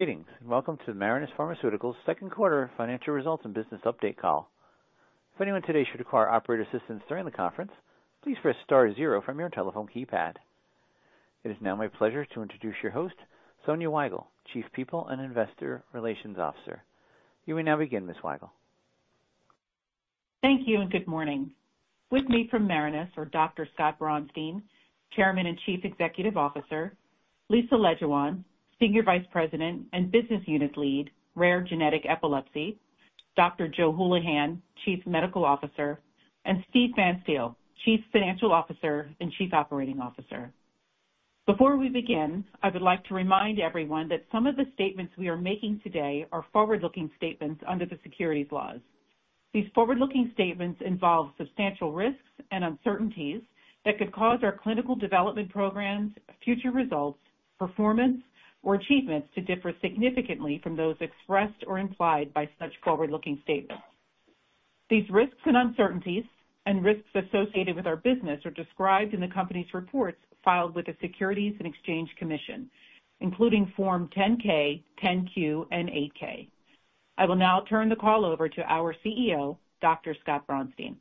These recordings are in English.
.Greetings, and welcome to the Marinus Pharmaceuticals' second quarter financial results and business update call. If anyone today should require operator assistance during the conference, please press star zero from your telephone keypad. It is now my pleasure to introduce your host, Sonya Weigle, Chief People and Investor Relations Officer. You may now begin, Ms. Weigle. Thank you, and good morning. With me from Marinus are Dr. Scott Braunstein, Chairman and Chief Executive Officer, Lisa Lejuwaan, Senior Vice President and Business Unit Lead, Rare Genetic Epilepsy, Dr. Joe Hulihan, Chief Medical Officer, and Steve Pfanstiel, Chief Financial Officer and Chief Operating Officer. Before we begin, I would like to remind everyone that some of the statements we are making today are forward-looking statements under the securities laws. These forward-looking statements involve substantial risks and uncertainties that could cause our clinical development programs, future results, performance, or achievements to differ significantly from those expressed or implied by such forward-looking statements. These risks and uncertainties and risks associated with our business are described in the company's reports filed with the Securities and Exchange Commission, including Form 10-K, 10-Q, and 8-K. I will now turn the call over to our CEO, Dr. Scott Braunstein.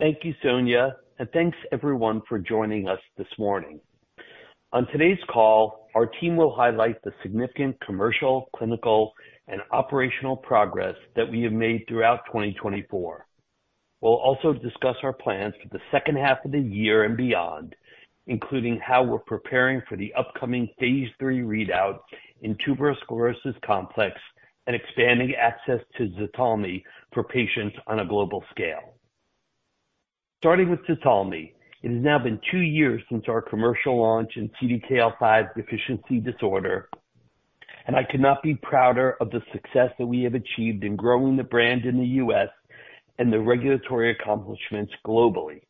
Thank you, Sonya, and thanks everyone for joining us this morning. On today's call, our team will highlight the significant commercial, clinical, and operational progress that we have made throughout 2024. We'll also discuss our plans for the second half of the year and beyond, including how we're preparing for the upcoming phase III readout in tuberous sclerosis complex, and expanding access to ZTALMY for patients on a global scale. Starting with ZTALMY, it has now been two years since our commercial launch in CDKL5 deficiency disorder, and I could not be prouder of the success that we have achieved in growing the brand in the U.S. and the regulatory accomplishments globally.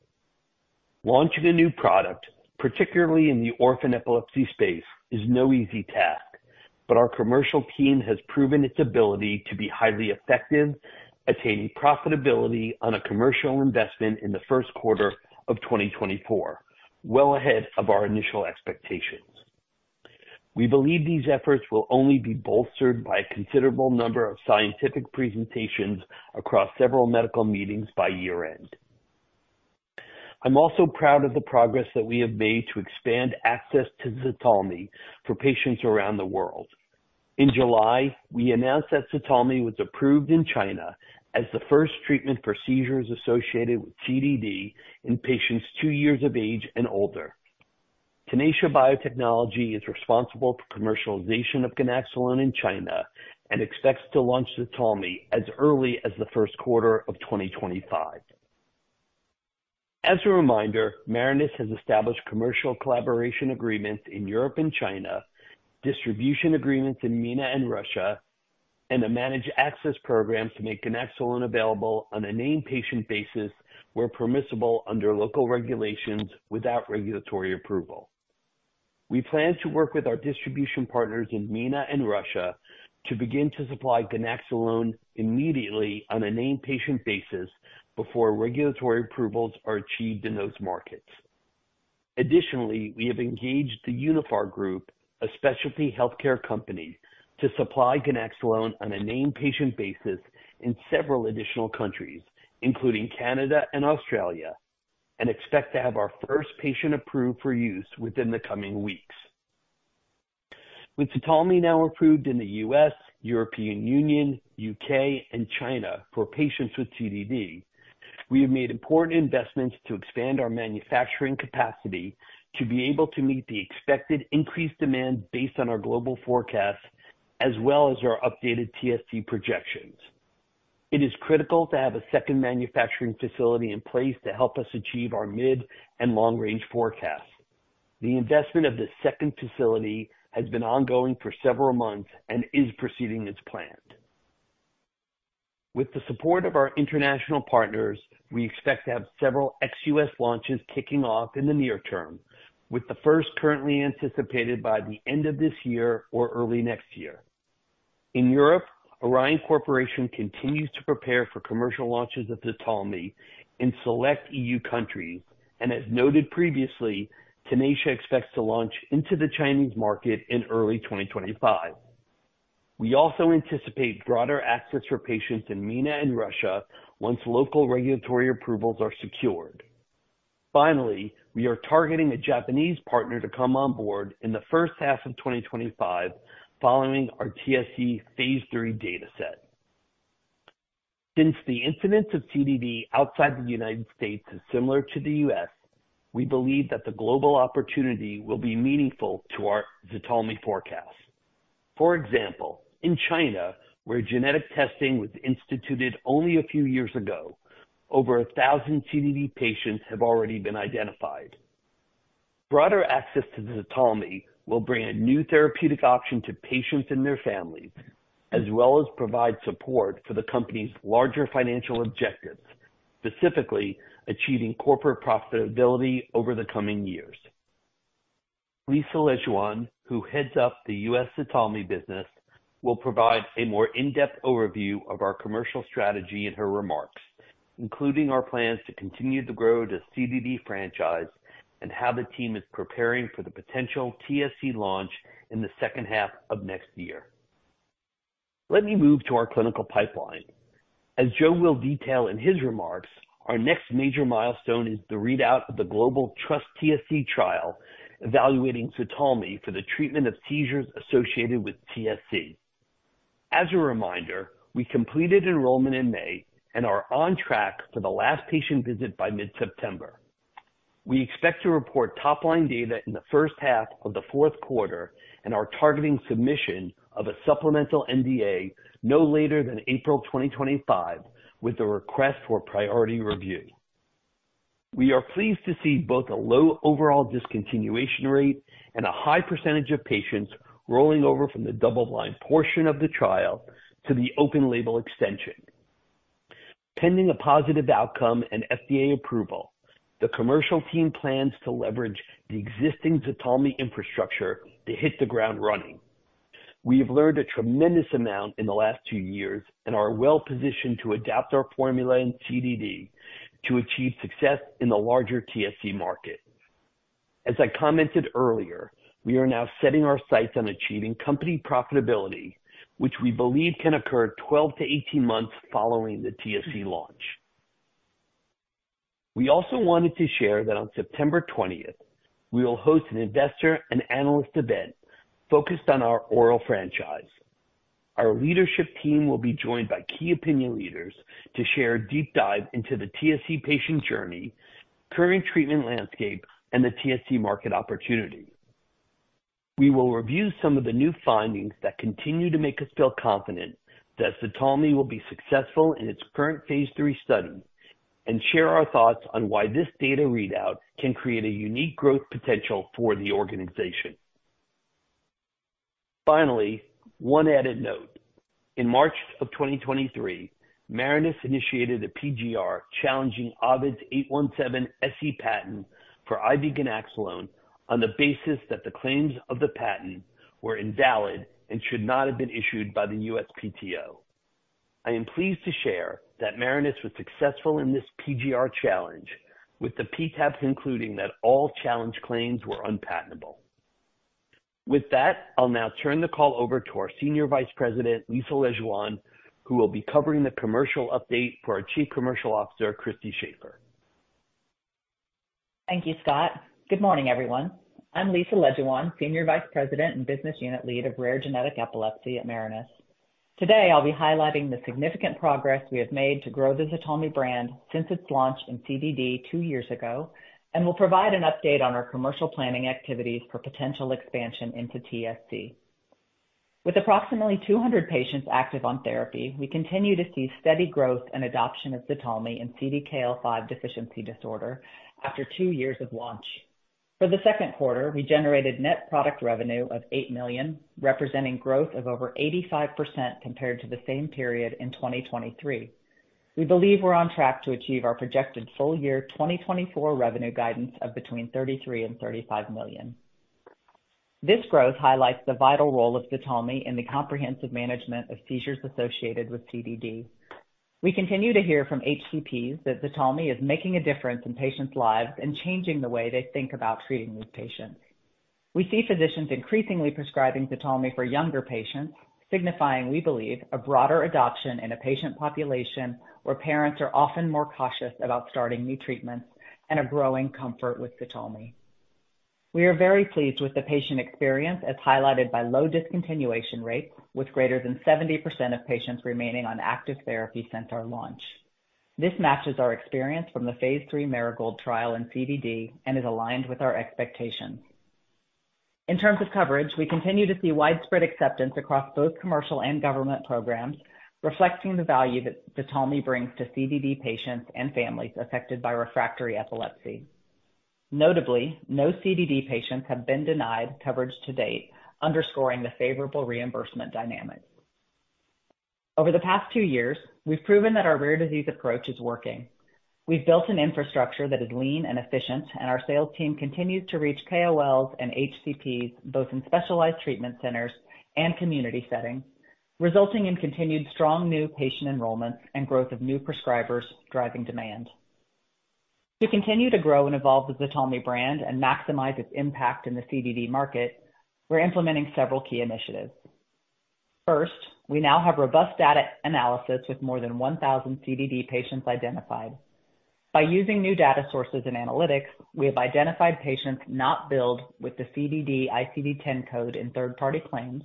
Launching a new product, particularly in the orphan epilepsy space, is no easy task, but our commercial team has proven its ability to be highly effective, attaining profitability on a commercial investment in the first quarter of 2024, well ahead of our initial expectations. We believe these efforts will only be bolstered by a considerable number of scientific presentations across several medical meetings by year-end. I'm also proud of the progress that we have made to expand access to ZTALMY for patients around the world. In July, we announced that ZTALMY was approved in China as the first treatment for seizures associated with CDD in patients two years of age and older. Tenacia Biotechnology is responsible for commercialization of ganaxolone in China and expects to launch ZTALMY as early as the first quarter of 2025. As a reminder, Marinus has established commercial collaboration agreements in Europe and China, distribution agreements in MENA and Russia, and a managed access program to make ganaxolone available on a named patient basis, where permissible under local regulations, without regulatory approval. We plan to work with our distribution partners in MENA and Russia to begin to supply ganaxolone immediately on a named patient basis before regulatory approvals are achieved in those markets. Additionally, we have engaged the Uniphar Group, a specialty healthcare company, to supply ganaxolone on a named patient basis in several additional countries, including Canada and Australia, and expect to have our first patient approved for use within the coming weeks. With ZTALMY now approved in the U.S., European Union, U.K., and China for patients with CDD, we have made important investments to expand our manufacturing capacity to be able to meet the expected increased demand based on our global forecast, as well as our updated TSC projections. It is critical to have a second manufacturing facility in place to help us achieve our mid and long-range forecasts. The investment of this second facility has been ongoing for several months and is proceeding as planned. With the support of our international partners, we expect to have several ex-US.. launches kicking off in the near term, with the first currently anticipated by the end of this year or early next year. In Europe, Orion Corporation continues to prepare for commercial launches of ZTALMY in select EU countries, and as noted previously, Tenacia expects to launch into the Chinese market in early 2025. We also anticipate broader access for patients in MENA and Russia once local regulatory approvals are secured. Finally, we are targeting a Japanese partner to come on board in the first half of 2025 following our TSC phase III data set. Since the incidence of CDD outside the United States is similar to the U.S., we believe that the global opportunity will be meaningful to our ZTALMY forecast. For example, in China, where genetic testing was instituted only a few years ago, over 1,000 CDD patients have already been identified. Broader access to ZTALMY will bring a new therapeutic option to patients and their families, as well as provide support for the company's larger financial objectives, specifically achieving corporate profitability over the coming years. Lisa Lejuwaan, who heads up the U.S. ZTALMY business, will provide a more in-depth overview of our commercial strategy in her remarks... including our plans to continue to grow the CDD franchise and how the team is preparing for the potential TSC launch in the second half of next year. Let me move to our clinical pipeline. As Joe will detail in his remarks, our next major milestone is the readout of the global TrustTSC trial, evaluating ZTALMY for the treatment of seizures associated with TSC. As a reminder, we completed enrollment in May and are on track for the last patient visit by mid-September. We expect to report top-line data in the first half of the fourth quarter and are targeting submission of a supplemental NDA no later than April 2025, with a request for priority review. We are pleased to see both a low overall discontinuation rate and a high percentage of patients rolling over from the double-blind portion of the trial to the open label extension. Pending a positive outcome and FDA approval, the commercial team plans to leverage the existing ZTALMY infrastructure to hit the ground running. We have learned a tremendous amount in the last two years and are well positioned to adapt our formula in CDD to achieve success in the larger TSC market. As I commented earlier, we are now setting our sights on achieving company profitability, which we believe can occur 12-18 months following the TSC launch. We also wanted to share that on September 20, we will host an investor and analyst event focused on our oral franchise. Our leadership team will be joined by key opinion leaders to share a deep dive into the TSC patient journey, current treatment landscape, and the TSC market opportunity. We will review some of the new findings that continue to make us feel confident that ZTALMY will be successful in its current phase III study and share our thoughts on why this data readout can create a unique growth potential for the organization. Finally, one added note: In March 2023, Marinus initiated a PGR, challenging Ovid's '817 patent for IV ganaxolone on the basis that the claims of the patent were invalid and should not have been issued by the USPTO. I am pleased to share that Marinus was successful in this PGR challenge, with the PTAB concluding that all challenged claims were unpatentable. With that, I'll now turn the call over to our Senior Vice President, Lisa Lejuwaan, who will be covering the commercial update for our Chief Commercial Officer, Christy Shafer. Thank you, Scott. Good morning, everyone. I'm Lisa Lejuwaan, Senior Vice President and Business Unit Lead of Rare Genetic Epilepsy at Marinus. Today, I'll be highlighting the significant progress we have made to grow the ZTALMY brand since its launch in CDD two years ago, and will provide an update on our commercial planning activities for potential expansion into TSC. With approximately 200 patients active on therapy, we continue to see steady growth and adoption of ZTALMY in CDKL5 deficiency disorder after two years of launch. For the second quarter, we generated net product revenue of $8 million, representing growth of over 85% compared to the same period in 2023. We believe we're on track to achieve our projected full year 2024 revenue guidance of between $33 million and $35 million. This growth highlights the vital role of ZTALMY in the comprehensive management of seizures associated with CDD. We continue to hear from HCPs that ZTALMY is making a difference in patients' lives and changing the way they think about treating these patients. We see physicians increasingly prescribing ZTALMY for younger patients, signifying, we believe, a broader adoption in a patient population where parents are often more cautious about starting new treatments and a growing comfort with ZTALMY. We are very pleased with the patient experience, as highlighted by low discontinuation rates, with greater than 70% of patients remaining on active therapy since our launch. This matches our experience from the phase III Marigold trial in CDD and is aligned with our expectations. In terms of coverage, we continue to see widespread acceptance across both commercial and government programs, reflecting the value that ZTALMY brings to CDD patients and families affected by refractory epilepsy. Notably, no CDD patients have been denied coverage to date, underscoring the favorable reimbursement dynamics. Over the past two years, we've proven that our rare disease approach is working. We've built an infrastructure that is lean and efficient, and our sales team continues to reach KOLs and HCPs, both in specialized treatment centers and community settings, resulting in continued strong new patient enrollments and growth of new prescribers driving demand. To continue to grow and evolve the ZTALMY brand and maximize its impact in the CDD market, we're implementing several key initiatives. First, we now have robust data analysis with more than 1,000 CDD patients identified. By using new data sources and analytics, we have identified patients not billed with the CDD ICD-10 code in third-party claims,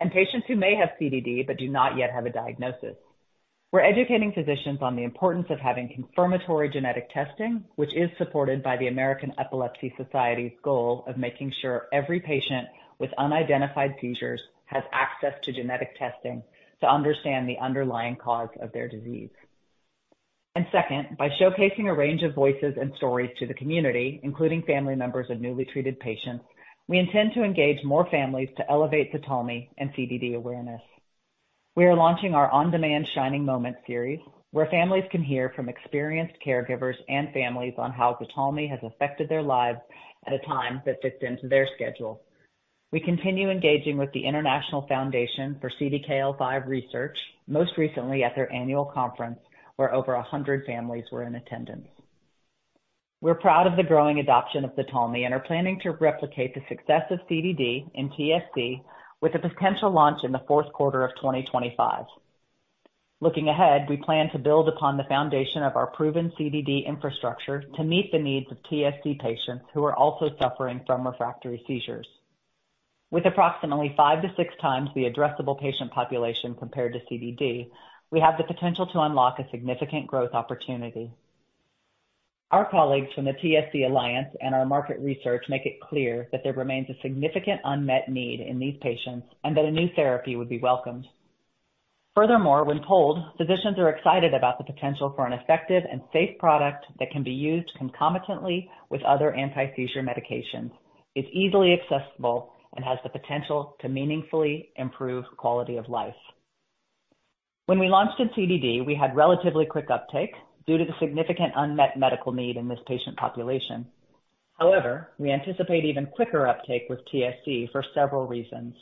and patients who may have CDD but do not yet have a diagnosis. We're educating physicians on the importance of having confirmatory genetic testing, which is supported by the American Epilepsy Society's goal of making sure every patient with unidentified seizures has access to genetic testing to understand the underlying cause of their disease. And second, by showcasing a range of voices and stories to the community, including family members of newly treated patients, we intend to engage more families to elevate ZTALMY and CDD awareness. We are launching our on-demand Shining Moment series, where families can hear from experienced caregivers and families on how ZTALMY has affected their lives at a time that fits into their schedule. We continue engaging with the International Foundation for CDKL5 Research, most recently at their annual conference, where over a hundred families were in attendance. We're proud of the growing adoption of ZTALMY and are planning to replicate the success of CDD in TSC with a potential launch in the fourth quarter of 2025. Looking ahead, we plan to build upon the foundation of our proven CDD infrastructure to meet the needs of TSC patients who are also suffering from refractory seizures. With approximately five to six times the addressable patient population compared to CDD, we have the potential to unlock a significant growth opportunity. Our colleagues from the TSC Alliance and our market research make it clear that there remains a significant unmet need in these patients and that a new therapy would be welcomed. Furthermore, when told, physicians are excited about the potential for an effective and safe product that can be used concomitantly with other anti-seizure medications. It's easily accessible and has the potential to meaningfully improve quality of life. When we launched in CDD, we had relatively quick uptake due to the significant unmet medical need in this patient population. However, we anticipate even quicker uptake with TSC for several reasons.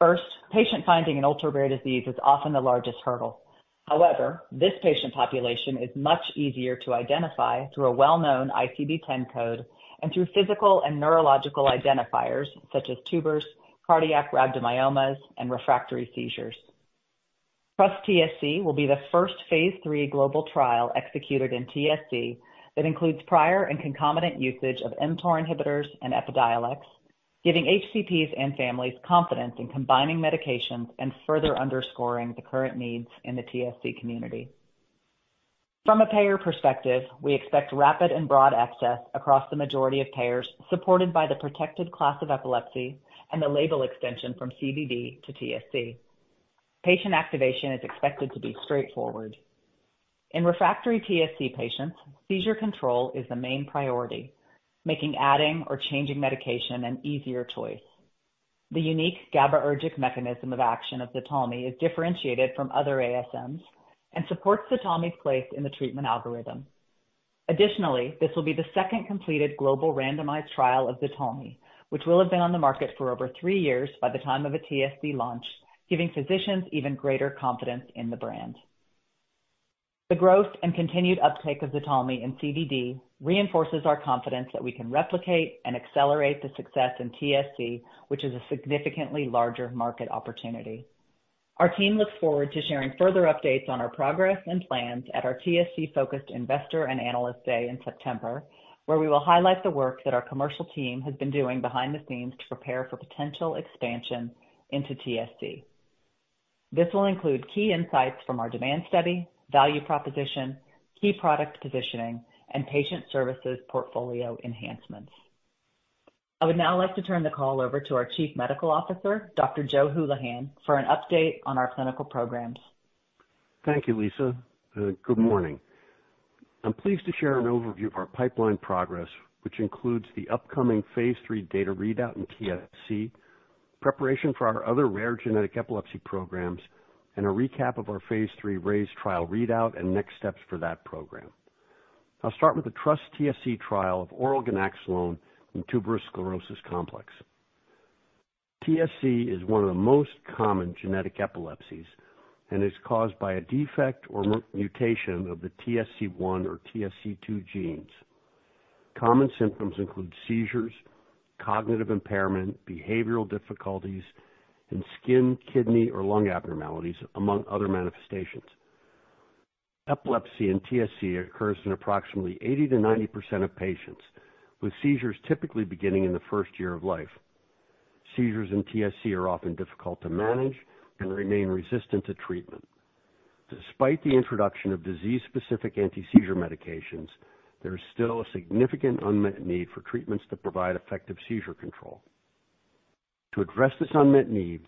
First, patient finding an ultra-rare disease is often the largest hurdle. However, this patient population is much easier to identify through a well-known ICD10 code and through physical and neurological identifiers such as tubers, cardiac rhabdomyomas, and refractory seizures. TrustTSC will be the first phase III global trial executed in TSC that includes prior and concomitant usage of mTOR inhibitors and Epidiolex, giving HCPs and families confidence in combining medications and further underscoring the current needs in the TSC community. From a payer perspective, we expect rapid and broad access across the majority of payers, supported by the protected class of epilepsy and the label extension from CDD to TSC. Patient activation is expected to be straightforward. In refractory TSC patients, seizure control is the main priority, making, adding or changing medication an easier choice. The unique GABAAergic mechanism of action of ZTALMY is differentiated from other ASMs and supports ZTALMY's place in the treatment algorithm. Additionally, this will be the second completed global randomized trial of ZTALMY, which will have been on the market for over three years by the time of a TSC launch, giving physicians even greater confidence in the brand. The growth and continued uptake of ZTALMY in CDD reinforces our confidence that we can replicate and accelerate the success in TSC, which is a significantly larger market opportunity. Our team looks forward to sharing further updates on our progress and plans at our TSC-focused Investor and Analyst Day in September, where we will highlight the work that our commercial team has been doing behind the scenes to prepare for potential expansion into TSC. This will include key insights from our demand study, value proposition, key product positioning, and patient services portfolio enhancements. I would now like to turn the call over to our Chief Medical Officer, Dr. Joe Hulihan, for an update on our clinical programs. Thank you, Lisa, good morning. I'm pleased to share an overview of our pipeline progress, which includes the upcoming phase III data readout in TSC, preparation for our other rare genetic epilepsy programs, and a recap of our phase III RAISE trial readout and next steps for that program. I'll start with the TrustTSC trial of oral ganaxolone in tuberous sclerosis complex. TSC is one of the most common genetic epilepsies and is caused by a defect or mutation of the TSC1 or TSC2 genes. Common symptoms include seizures, cognitive impairment, behavioral difficulties, and skin, kidney or lung abnormalities, among other manifestations. Epilepsy in TSC occurs in approximately 80%-90% of patients, with seizures typically beginning in the first year of life. Seizures in TSC are often difficult to manage and remain resistant to treatment. Despite the introduction of disease-specific anti-seizure medications, there is still a significant unmet need for treatments that provide effective seizure control. To address this unmet need,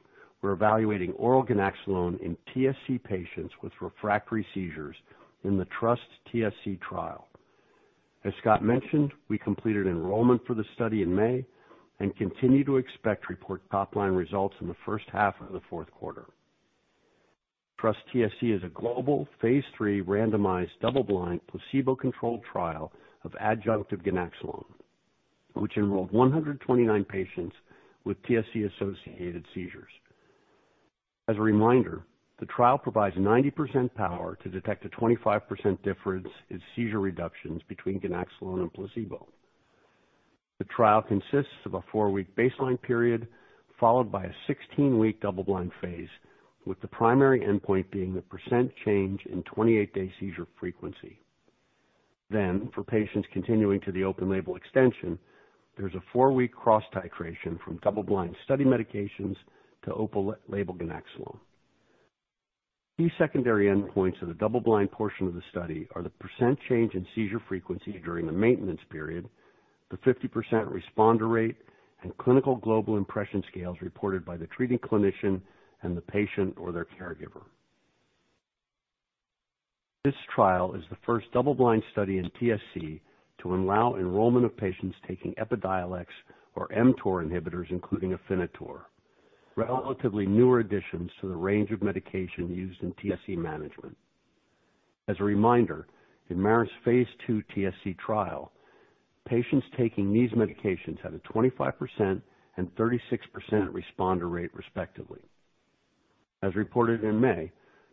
we're evaluating oral ganaxolone in TSC patients with refractory seizures in the TrustTSC trial. As Scott mentioned, we completed enrollment for the study in May and continue to expect to report top-line results in the first half of the fourth quarter. TrustTSC is a global phase III randomized, double-blind, placebo-controlled trial of adjunctive ganaxolone, which enrolled 129 patients with TSC-associated seizures. As a reminder, the trial provides 90% power to detect a 25% difference in seizure reductions between ganaxolone and placebo. The trial consists of a 4-week baseline period, followed by a 16-week double-blind phase, with the primary endpoint being the percent change in 28-day seizure frequency. Then, for patients continuing to the open-label extension, there's a four-week cross titration from double-blind study medications to open-label ganaxolone. Key secondary endpoints of the double-blind portion of the study are the percent change in seizure frequency during the maintenance period, the 50% responder rate, and clinical global impression scales reported by the treating clinician and the patient or their caregiver. This trial is the first double-blind study in TSC to allow enrollment of patients taking Epidiolex or mTOR inhibitors, including Afinitor, relatively newer additions to the range of medication used in TSC management. As a reminder, in Marinus's phase II TSC trial, patients taking these medications had a 25% and 36% responder rate, respectively. As reported in May,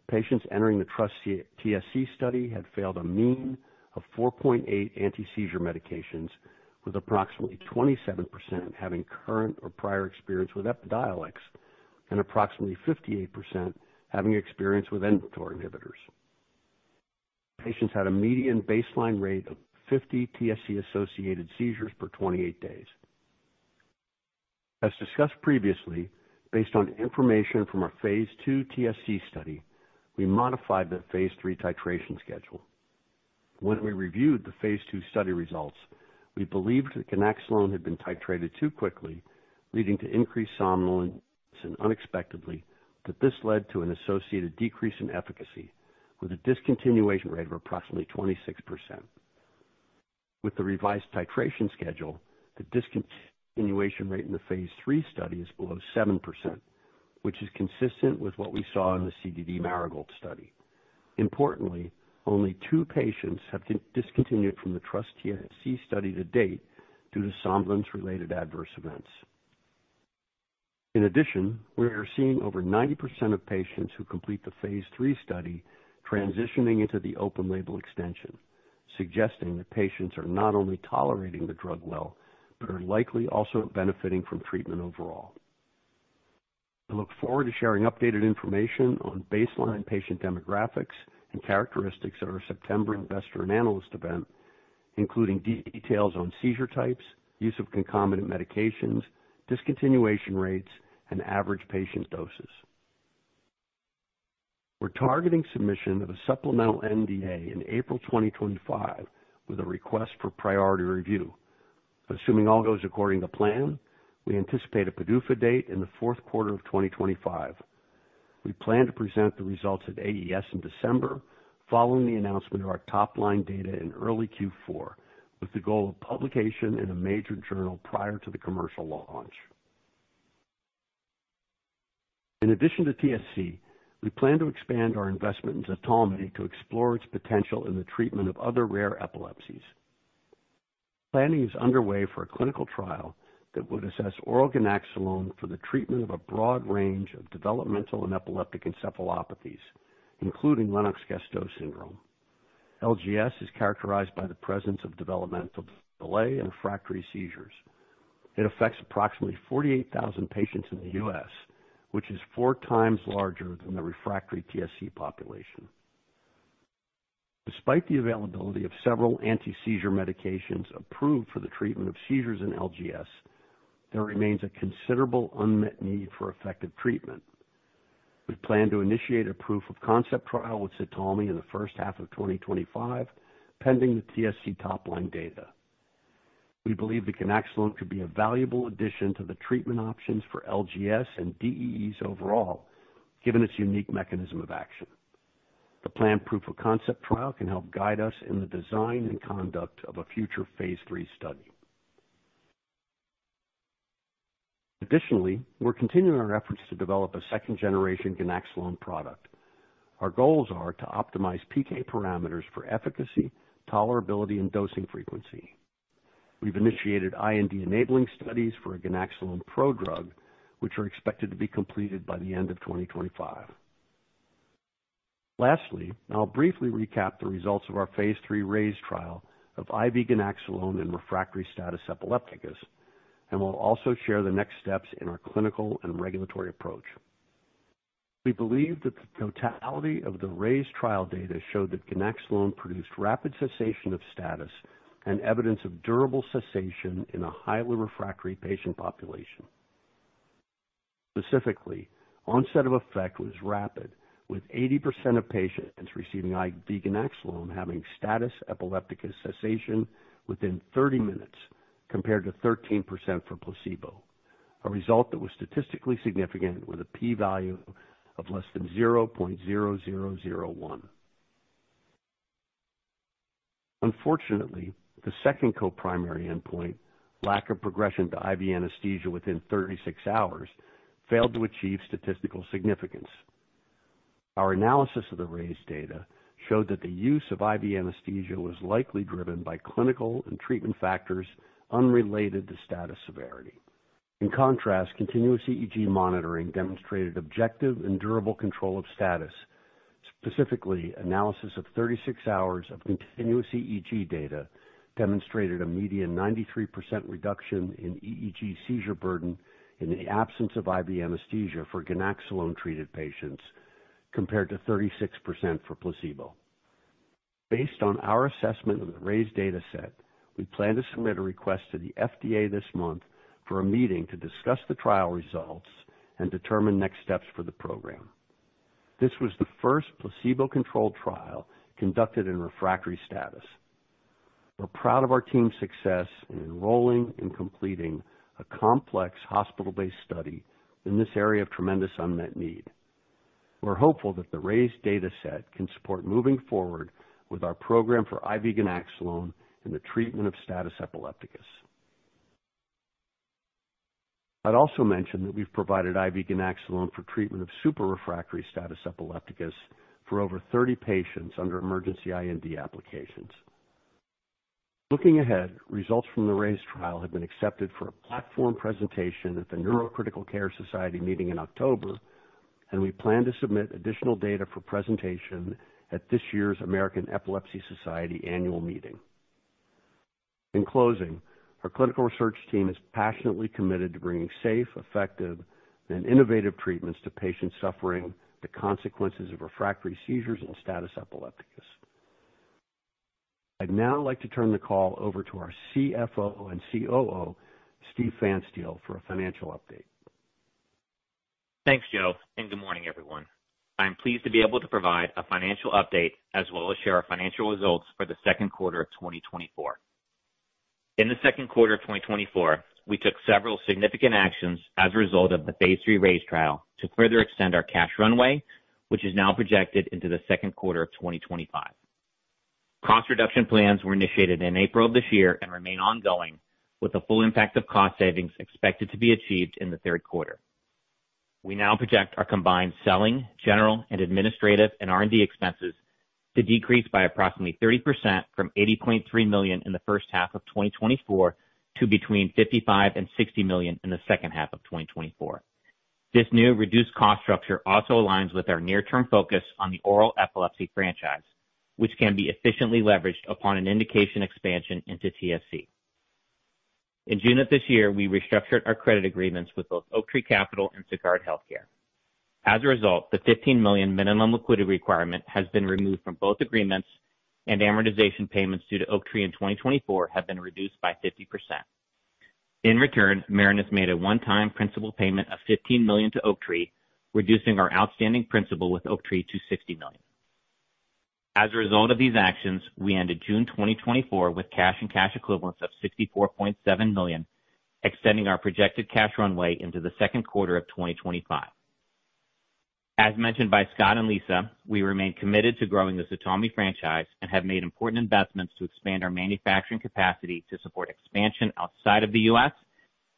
patients entering the TRUST TSC study had failed a mean of 4.8 anti-seizure medications, with approximately 27% having current or prior experience with Epidiolex, and approximately 58% having experience with mTOR inhibitors. Patients had a median baseline rate of 50 TSC-associated seizures per 28 days. As discussed previously, based on information from our phase II TSC study, we modified the phase III titration schedule. When we reviewed the phase II study results, we believed that ganaxolone had been titrated too quickly, leading to increased somnolence, and unexpectedly, that this led to an associated decrease in efficacy, with a discontinuation rate of approximately 26%. With the revised titration schedule, the discontinuation rate in the phase III study is below 7%, which is consistent with what we saw in the CDD Marigold study. Importantly, only 2 patients have discontinued from the TrustTSC study to date due to somnolence-related adverse events. In addition, we are seeing over 90% of patients who complete the phase III study transitioning into the open label extension, suggesting that patients are not only tolerating the drug well, but are likely also benefiting from treatment overall. I look forward to sharing updated information on baseline patient demographics and characteristics at our September investor and analyst event, including details on seizure types, use of concomitant medications, discontinuation rates, and average patient doses. We're targeting submission of a supplemental NDA in April 2025, with a request for priority review. Assuming all goes according to plan, we anticipate a PDUFA date in the fourth quarter of 2025. We plan to present the results at AES in December, following the announcement of our top-line data in early Q4, with the goal of publication in a major journal prior to the commercial launch. In addition to TSC, we plan to expand our investment in ZTALMY to explore its potential in the treatment of other rare epilepsies. Planning is underway for a clinical trial that would assess oral ganaxolone for the treatment of a broad range of developmental and epileptic encephalopathies, including Lennox-Gastaut syndrome. LGS is characterized by the presence of developmental delay and refractory seizures. It affects approximately 48,000 patients in the U.S., which is four times larger than the refractory TSC population. Despite the availability of several anti-seizure medications approved for the treatment of seizures in LGS, there remains a considerable unmet need for effective treatment. We plan to initiate a proof of concept trial with ZTALMY in the first half of 2025, pending the TSC top-line data. We believe that ganaxolone could be a valuable addition to the treatment options for LGS and DEEs overall, given its unique mechanism of action. The planned proof-of-concept trial can help guide us in the design and conduct of a future phase III study. Additionally, we're continuing our efforts to develop a second-generation ganaxolone product. Our goals are to optimize PK parameters for efficacy, tolerability, and dosing frequency. We've initiated IND enabling studies for a ganaxolone pro-drug, which are expected to be completed by the end of 2025. Lastly, I'll briefly recap the results of our phase III RAISE trial of IV ganaxolone in refractory status epilepticus, and we'll also share the next steps in our clinical and regulatory approach. We believe that the totality of the RAISE trial data showed that ganaxolone produced rapid cessation of status and evidence of durable cessation in a highly refractory patient population. Specifically, onset of effect was rapid, with 80% of patients receiving IV ganaxolone having status epilepticus cessation within 30 minutes, compared to 13% for placebo, a result that was statistically significant with a P-value of less than 0.0001. Unfortunately, the second co-primary endpoint, lack of progression to IV anesthesia within 36 hours, failed to achieve statistical significance. Our analysis of the RAISE data showed that the use of IV anesthesia was likely driven by clinical and treatment factors unrelated to status severity. In contrast, continuous EEG monitoring demonstrated objective and durable control of status. Specifically, analysis of 36 hours of continuous EEG data demonstrated a median 93% reduction in EEG seizure burden in the absence of IV anesthesia for ganaxolone-treated patients, compared to 36% for placebo. Based on our assessment of the RAISE dataset, we plan to submit a request to the FDA this month for a meeting to discuss the trial results and determine next steps for the program. This was the first placebo-controlled trial conducted in refractory status. We're proud of our team's success in enrolling and completing a complex hospital-based study in this area of tremendous unmet need. We're hopeful that the RAISE dataset can support moving forward with our program for IV ganaxolone and the treatment of status epilepticus.... I'd also mention that we've provided IV ganaxolone for treatment of super refractory status epilepticus for over 30 patients under emergency IND applications. Looking ahead, results from the RAISE trial have been accepted for a platform presentation at the Neurocritical Care Society meeting in October, and we plan to submit additional data for presentation at this year's American Epilepsy Society annual meeting. In closing, our clinical research team is passionately committed to bringing safe, effective, and innovative treatments to patients suffering the consequences of refractory seizures and status epilepticus. I'd now like to turn the call over to our CFO and COO, Steve Pfanstiel, for a financial update. Thanks, Joe, and good morning, everyone. I'm pleased to be able to provide a financial update, as well as share our financial results for the second quarter of 2024. In the second quarter of 2024, we took several significant actions as a result of the phase III RAISE trial to further extend our cash runway, which is now projected into the second quarter of 2025. Cost reduction plans were initiated in April of this year and remain ongoing, with the full impact of cost savings expected to be achieved in the third quarter. We now project our combined selling, general and administrative and R&D expenses to decrease by approximately 30% from $80.3 million in the first half of 2024, to $55 million-$60 million in the second half of 2024. This new reduced cost structure also aligns with our near-term focus on the oral epilepsy franchise, which can be efficiently leveraged upon an indication expansion into TSC. In June of this year, we restructured our credit agreements with both Oaktree Capital and Sagard Healthcare. As a result, the $15 million minimum liquidity requirement has been removed from both agreements, and amortization payments due to Oaktree in 2024 have been reduced by 50%. In return, Marinus made a one-time principal payment of $15 million to Oaktree, reducing our outstanding principal with Oaktree to $60 million. As a result of these actions, we ended June 2024 with cash and cash equivalents of $64.7 million, extending our projected cash runway into the second quarter of 2025. As mentioned by Scott and Lisa, we remain committed to growing the ZTALMY franchise and have made important investments to expand our manufacturing capacity to support expansion outside of the U.S.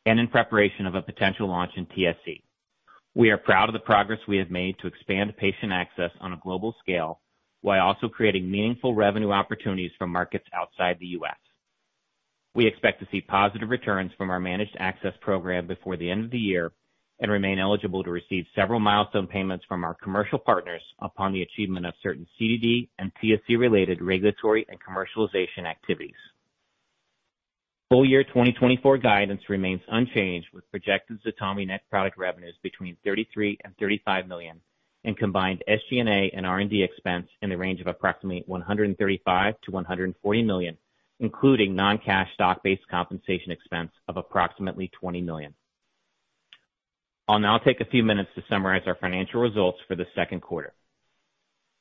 and in preparation of a potential launch in TSC. We are proud of the progress we have made to expand patient access on a global scale, while also creating meaningful revenue opportunities from markets outside the U.S. We expect to see positive returns from our managed access program before the end of the year and remain eligible to receive several milestone payments from our commercial partners upon the achievement of certain CDD and TSC-related regulatory and commercialization activities. Full year 2024 guidance remains unchanged, with projected ZTALMY net product revenues between $33 million-$35 million, and combined SG&A and R&D expense in the range of approximately $135 million-$140 million, including non-cash stock-based compensation expense of approximately $20 million. I'll now take a few minutes to summarize our financial results for the second quarter.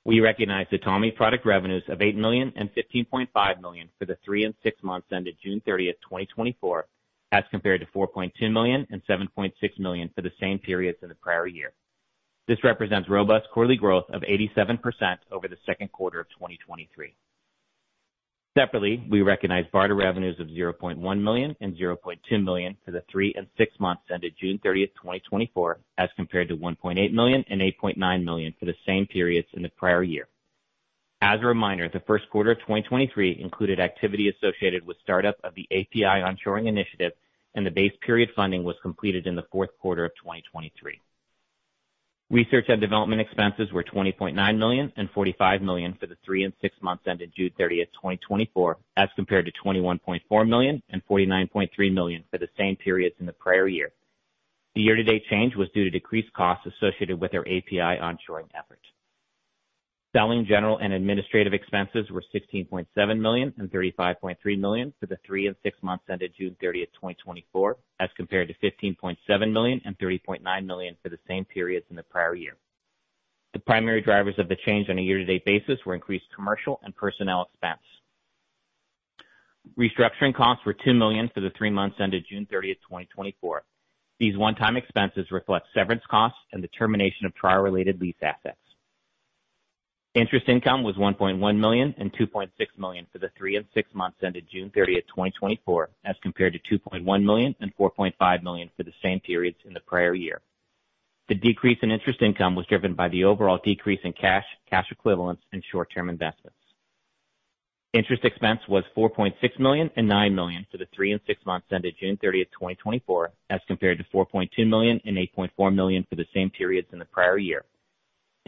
We recognize ZTALMY product revenues of $8 million and $15.5 million for the three and six months ended June 30, 2024, as compared to $4.2 million and $7.6 million for the same periods in the prior year. This represents robust quarterly growth of 87% over the second quarter of 2023. Separately, we recognize barter revenues of $0.1 million and $0.2 million for the three and six months ended June 30, 2024, as compared to $1.8 million and $8.9 million for the same periods in the prior year. As a reminder, the first quarter of 2023 included activity associated with startup of the API onshoring initiative, and the base period funding was completed in the fourth quarter of 2023. Research and development expenses were $20.9 million and $45 million for the three and six months ended June 30, 2024, as compared to $21.4 million and $49.3 million for the same periods in the prior year. The year-to-date change was due to decreased costs associated with our API onshoring efforts. Selling, general, and administrative expenses were $16.7 million and $35.3 million for the three and six months ended June 30, 2024, as compared to $15.7 million and $30.9 million for the same periods in the prior year. The primary drivers of the change on a year-to-date basis were increased commercial and personnel expense. Restructuring costs were $2 million for the three months ended June 30, 2024. These one-time expenses reflect severance costs and the termination of prior related lease assets. Interest income was $1.1 million and $2.6 million for the three and six months ended June 30, 2024, as compared to $2.1 million and $4.5 million for the same periods in the prior year. The decrease in interest income was driven by the overall decrease in cash, cash equivalents, and short-term investments. Interest expense was $4.6 million and $9 million for the three and six months ended June 30, 2024, as compared to $4.2 million and $8.4 million for the same periods in the prior year.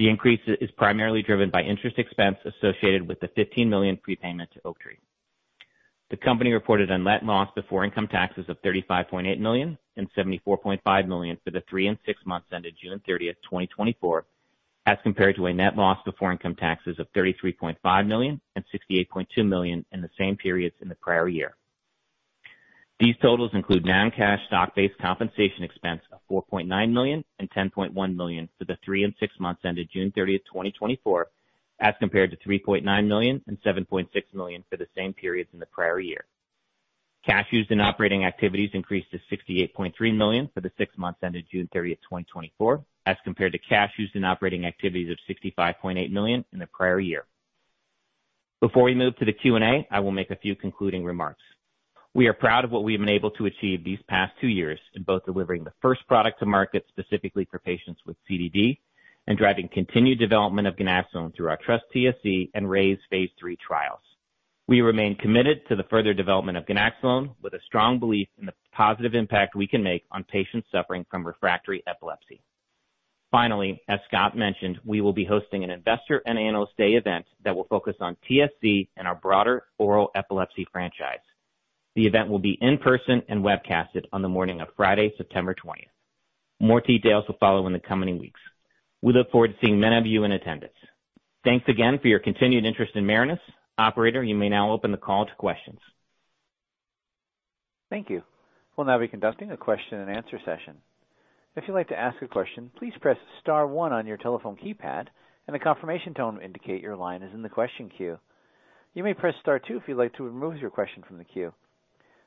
The increase is primarily driven by interest expense associated with the $15 million prepayment to Oaktree. The company reported a net loss before income taxes of $35.8 million and $74.5 million for the three and six months ended June 30, 2024, as compared to a net loss before income taxes of $33.5 million and $68.2 million in the same periods in the prior year. These totals include non-cash stock-based compensation expense of $4.9 million and $10.1 million for the three and six months ended June 30, 2024, as compared to $3.9 million and $7.6 million for the same periods in the prior year. Cash used in operating activities increased to $68.3 million for the six months ended June 30, 2024, as compared to cash used in operating activities of $65.8 million in the prior year.... Before we move to the Q&A, I will make a few concluding remarks. We are proud of what we've been able to achieve these past two years in both delivering the first product to market specifically for patients with CDD, and driving continued development of ganaxolone through our TrustTSC and RAISE phase III trials. We remain committed to the further development of ganaxolone with a strong belief in the positive impact we can make on patients suffering from refractory epilepsy. Finally, as Scott mentioned, we will be hosting an investor and analyst day event that will focus on TSC and our broader oral epilepsy franchise. The event will be in person and webcasted on the morning of Friday, September 20th. More details will follow in the coming weeks. We look forward to seeing many of you in attendance. Thanks again for your continued interest in Marinus. Operator, you may now open the call to questions. Thank you. We'll now be conducting a question and answer session. If you'd like to ask a question, please press star one on your telephone keypad, and a confirmation tone will indicate your line is in the question queue. You may press star two if you'd like to remove your question from the queue.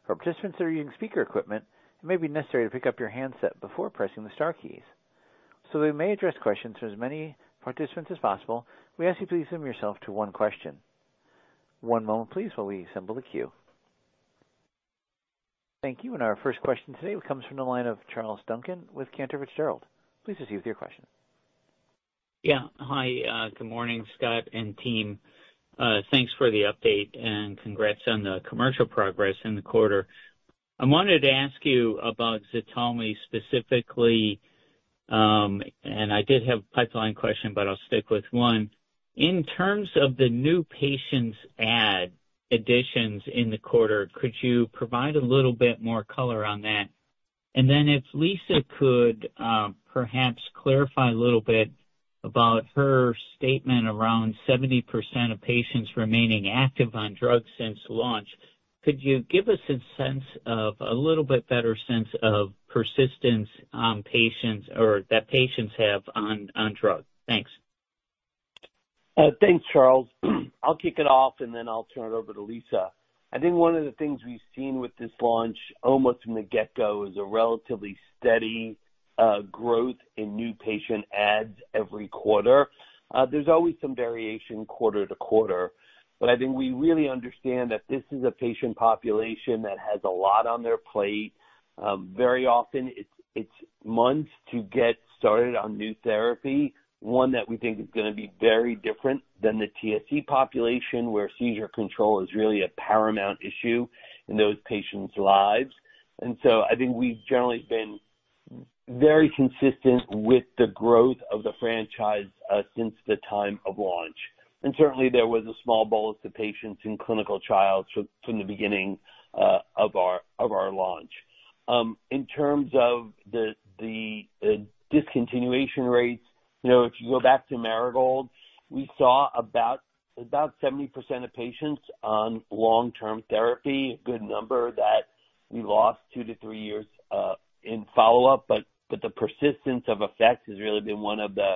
For participants that are using speaker equipment, it may be necessary to pick up your handset before pressing the star keys. We may address questions to as many participants as possible, we ask you to please limit yourself to one question. One moment, please, while we assemble the queue. Thank you. Our first question today comes from the line of Charles Duncan with Cantor Fitzgerald. Please proceed with your question. Yeah. Hi, good morning, Scott and team. Thanks for the update and congrats on the commercial progress in the quarter. I wanted to ask you about ZTALMY specifically, and I did have a pipeline question, but I'll stick with one. In terms of the new patients additions in the quarter, could you provide a little bit more color on that? And then if Lisa could, perhaps clarify a little bit about her statement around 70% of patients remaining active on drug since launch. Could you give us a sense of, a little bit better sense of persistence on patients or that patients have on, on drug? Thanks. Thanks, Charles. I'll kick it off, and then I'll turn it over to Lisa. I think one of the things we've seen with this launch, almost from the get-go, is a relatively steady growth in new patient adds every quarter. There's always some variation quarter-to-quarter, but I think we really understand that this is a patient population that has a lot on their plate. Very often it's months to get started on new therapy, one that we think is gonna be very different than the TSC population, where seizure control is really a paramount issue in those patients' lives. And so I think we've generally been very consistent with the growth of the franchise since the time of launch. And certainly there was a small bolus to patients in clinical trials from the beginning of our launch. In terms of the discontinuation rates, you know, if you go back to Marigold, we saw about 70% of patients on long-term therapy. A good number that we lost 2 to 3 years in follow-up. But the persistence of effect has really been one of the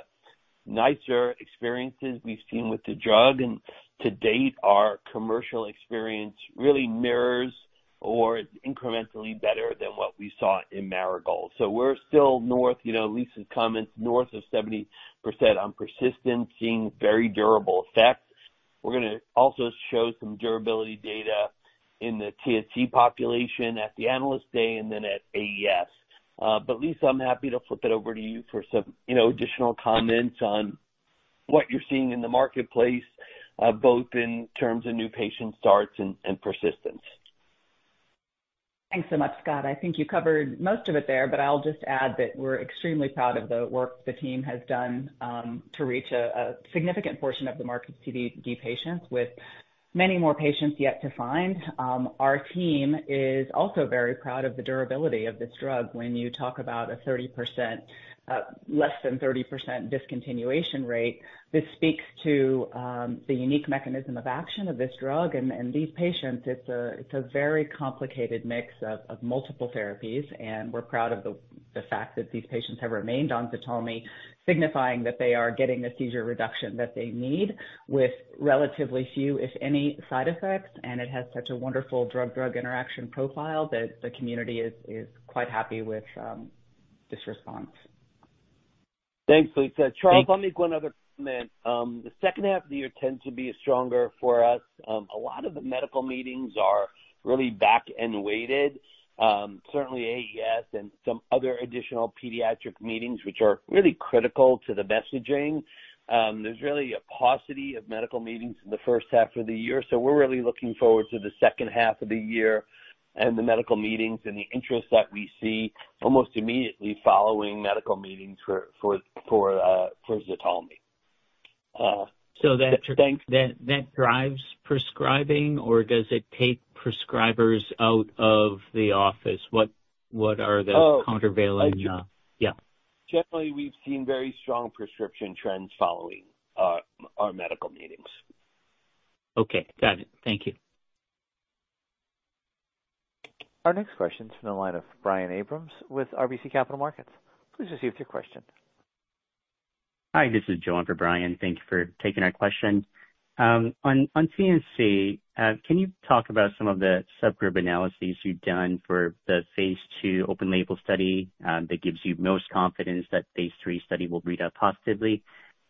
nicer experiences we've seen with the drug. And to date, our commercial experience really mirrors or is incrementally better than what we saw in Marigold. So we're still north, you know, Lisa's comments, north of 70% on persistence, seeing very durable effects. We're gonna also show some durability data in the TSC population at the Analyst Day and then at AES. But Lisa, I'm happy to flip it over to you for some, you know, additional comments on what you're seeing in the marketplace, both in terms of new patient starts and persistence. Thanks so much, Scott. I think you covered most of it there, but I'll just add that we're extremely proud of the work the team has done to reach a significant portion of the market's CDD patients with many more patients yet to find. Our team is also very proud of the durability of this drug. When you talk about a 30%, less than 30% discontinuation rate, this speaks to the unique mechanism of action of this drug. And these patients, it's a very complicated mix of multiple therapies, and we're proud of the fact that these patients have remained on ZTALMY, signifying that they are getting the seizure reduction that they need with relatively few, if any, side effects. It has such a wonderful drug-drug interaction profile that the community is quite happy with this response. Thanks, Lisa. Charles, let me make one other comment. The second half of the year tends to be stronger for us. A lot of the medical meetings are really back and weighted. Certainly AES and some other additional pediatric meetings, which are really critical to the messaging. There's really a paucity of medical meetings in the first half of the year, so we're really looking forward to the second half of the year and the medical meetings and the interest that we see almost immediately following medical meetings for ZTALMY. So that drives prescribing or does it take prescribers out of the office? What are the- Oh. Countervailing, yeah. Generally, we've seen very strong prescription trends following our medical meetings. Okay. Got it. Thank you. Our next question is from the line of Brian Abrams with RBC Capital Markets. Please proceed with your question. Hi, this is Joan for Brian. Thank you for taking our question. On NCS, can you talk about some of the subgroup analyses you've done for the phase II open label study that gives you most confidence that phase III study will read out positively?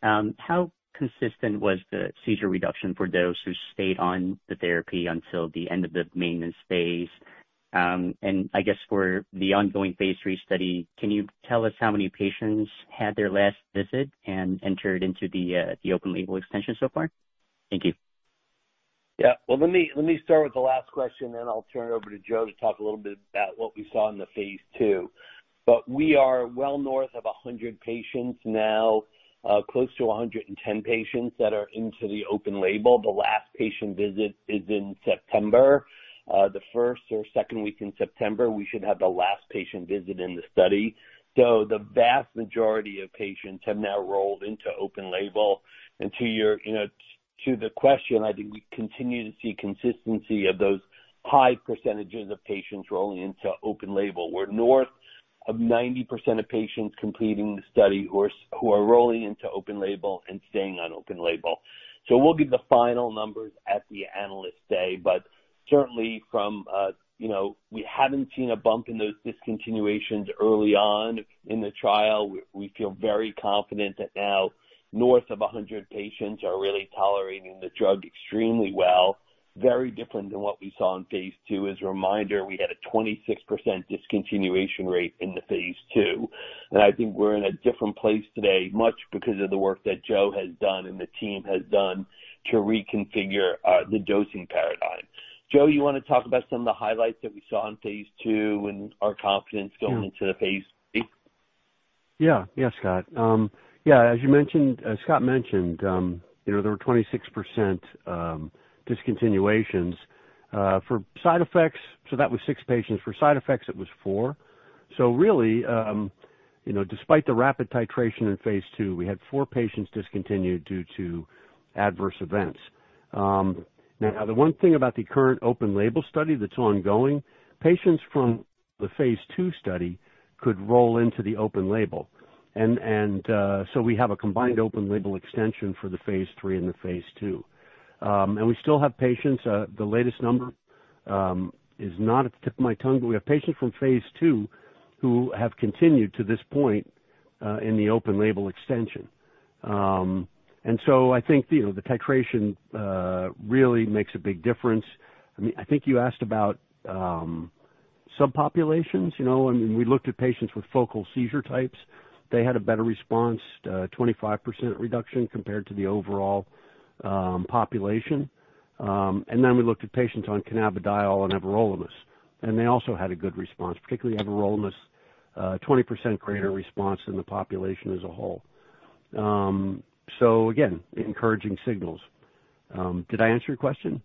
How consistent was the seizure reduction for those who stayed on the therapy until the end of the maintenance phase? And I guess for the ongoing phase III study, can you tell us how many patients had their last visit and entered into the open label extension so far? Thank you. Yeah. Well, let me, let me start with the last question, and then I'll turn it over to Joe to talk a little bit about what we saw in the phase II. But we are well north of 100 patients now, close to 110 patients that are into the open label. The last patient visit is in September. The first or second week in September, we should have the last patient visit in the study. So the vast majority of patients have now rolled into open label. And to your, you know, to the question, I think we continue to see consistency of those high percentages of patients rolling into open label. We're north of 90% of patients completing the study who are who are rolling into open label and staying on open label. So we'll give the final numbers at the Analyst Day, but certainly from, you know, we haven't seen a bump in those discontinuations early on in the trial. We feel very confident that now north of 100 patients are really tolerating the drug extremely well. Very different than what we saw in phase II. As a reminder, we had a 26% discontinuation rate in the phase II, and I think we're in a different place today, much because of the work that Joe has done and the team has done to reconfigure, the dosing paradigm. Joe, you want to talk about some of the highlights that we saw on phase II and our confidence going into the phase III? Yeah. Yeah, Scott. Yeah, as you mentioned, as Scott mentioned, you know, there were 26% discontinuations for side effects. So that was six patients. For side effects, it was four. So really, you know, despite the rapid titration in phase II, we had four patients discontinued due to adverse events. Now, the one thing about the current open label study that's ongoing, patients from the phase II study could roll into the open label. And so we have a combined open label extension for the phase three and the phase II. And we still have patients, the latest number is not at the tip of my tongue, but we have patients from phase II who have continued to this point in the open label extension. And so I think, you know, the titration really makes a big difference. I mean, I think you asked about subpopulations, you know, and when we looked at patients with focal seizure types, they had a better response, 25% reduction compared to the overall population. And then we looked at patients on cannabidiol and everolimus, and they also had a good response, particularly everolimus, 20% greater response than the population as a whole. So again, encouraging signals. Did I answer your question?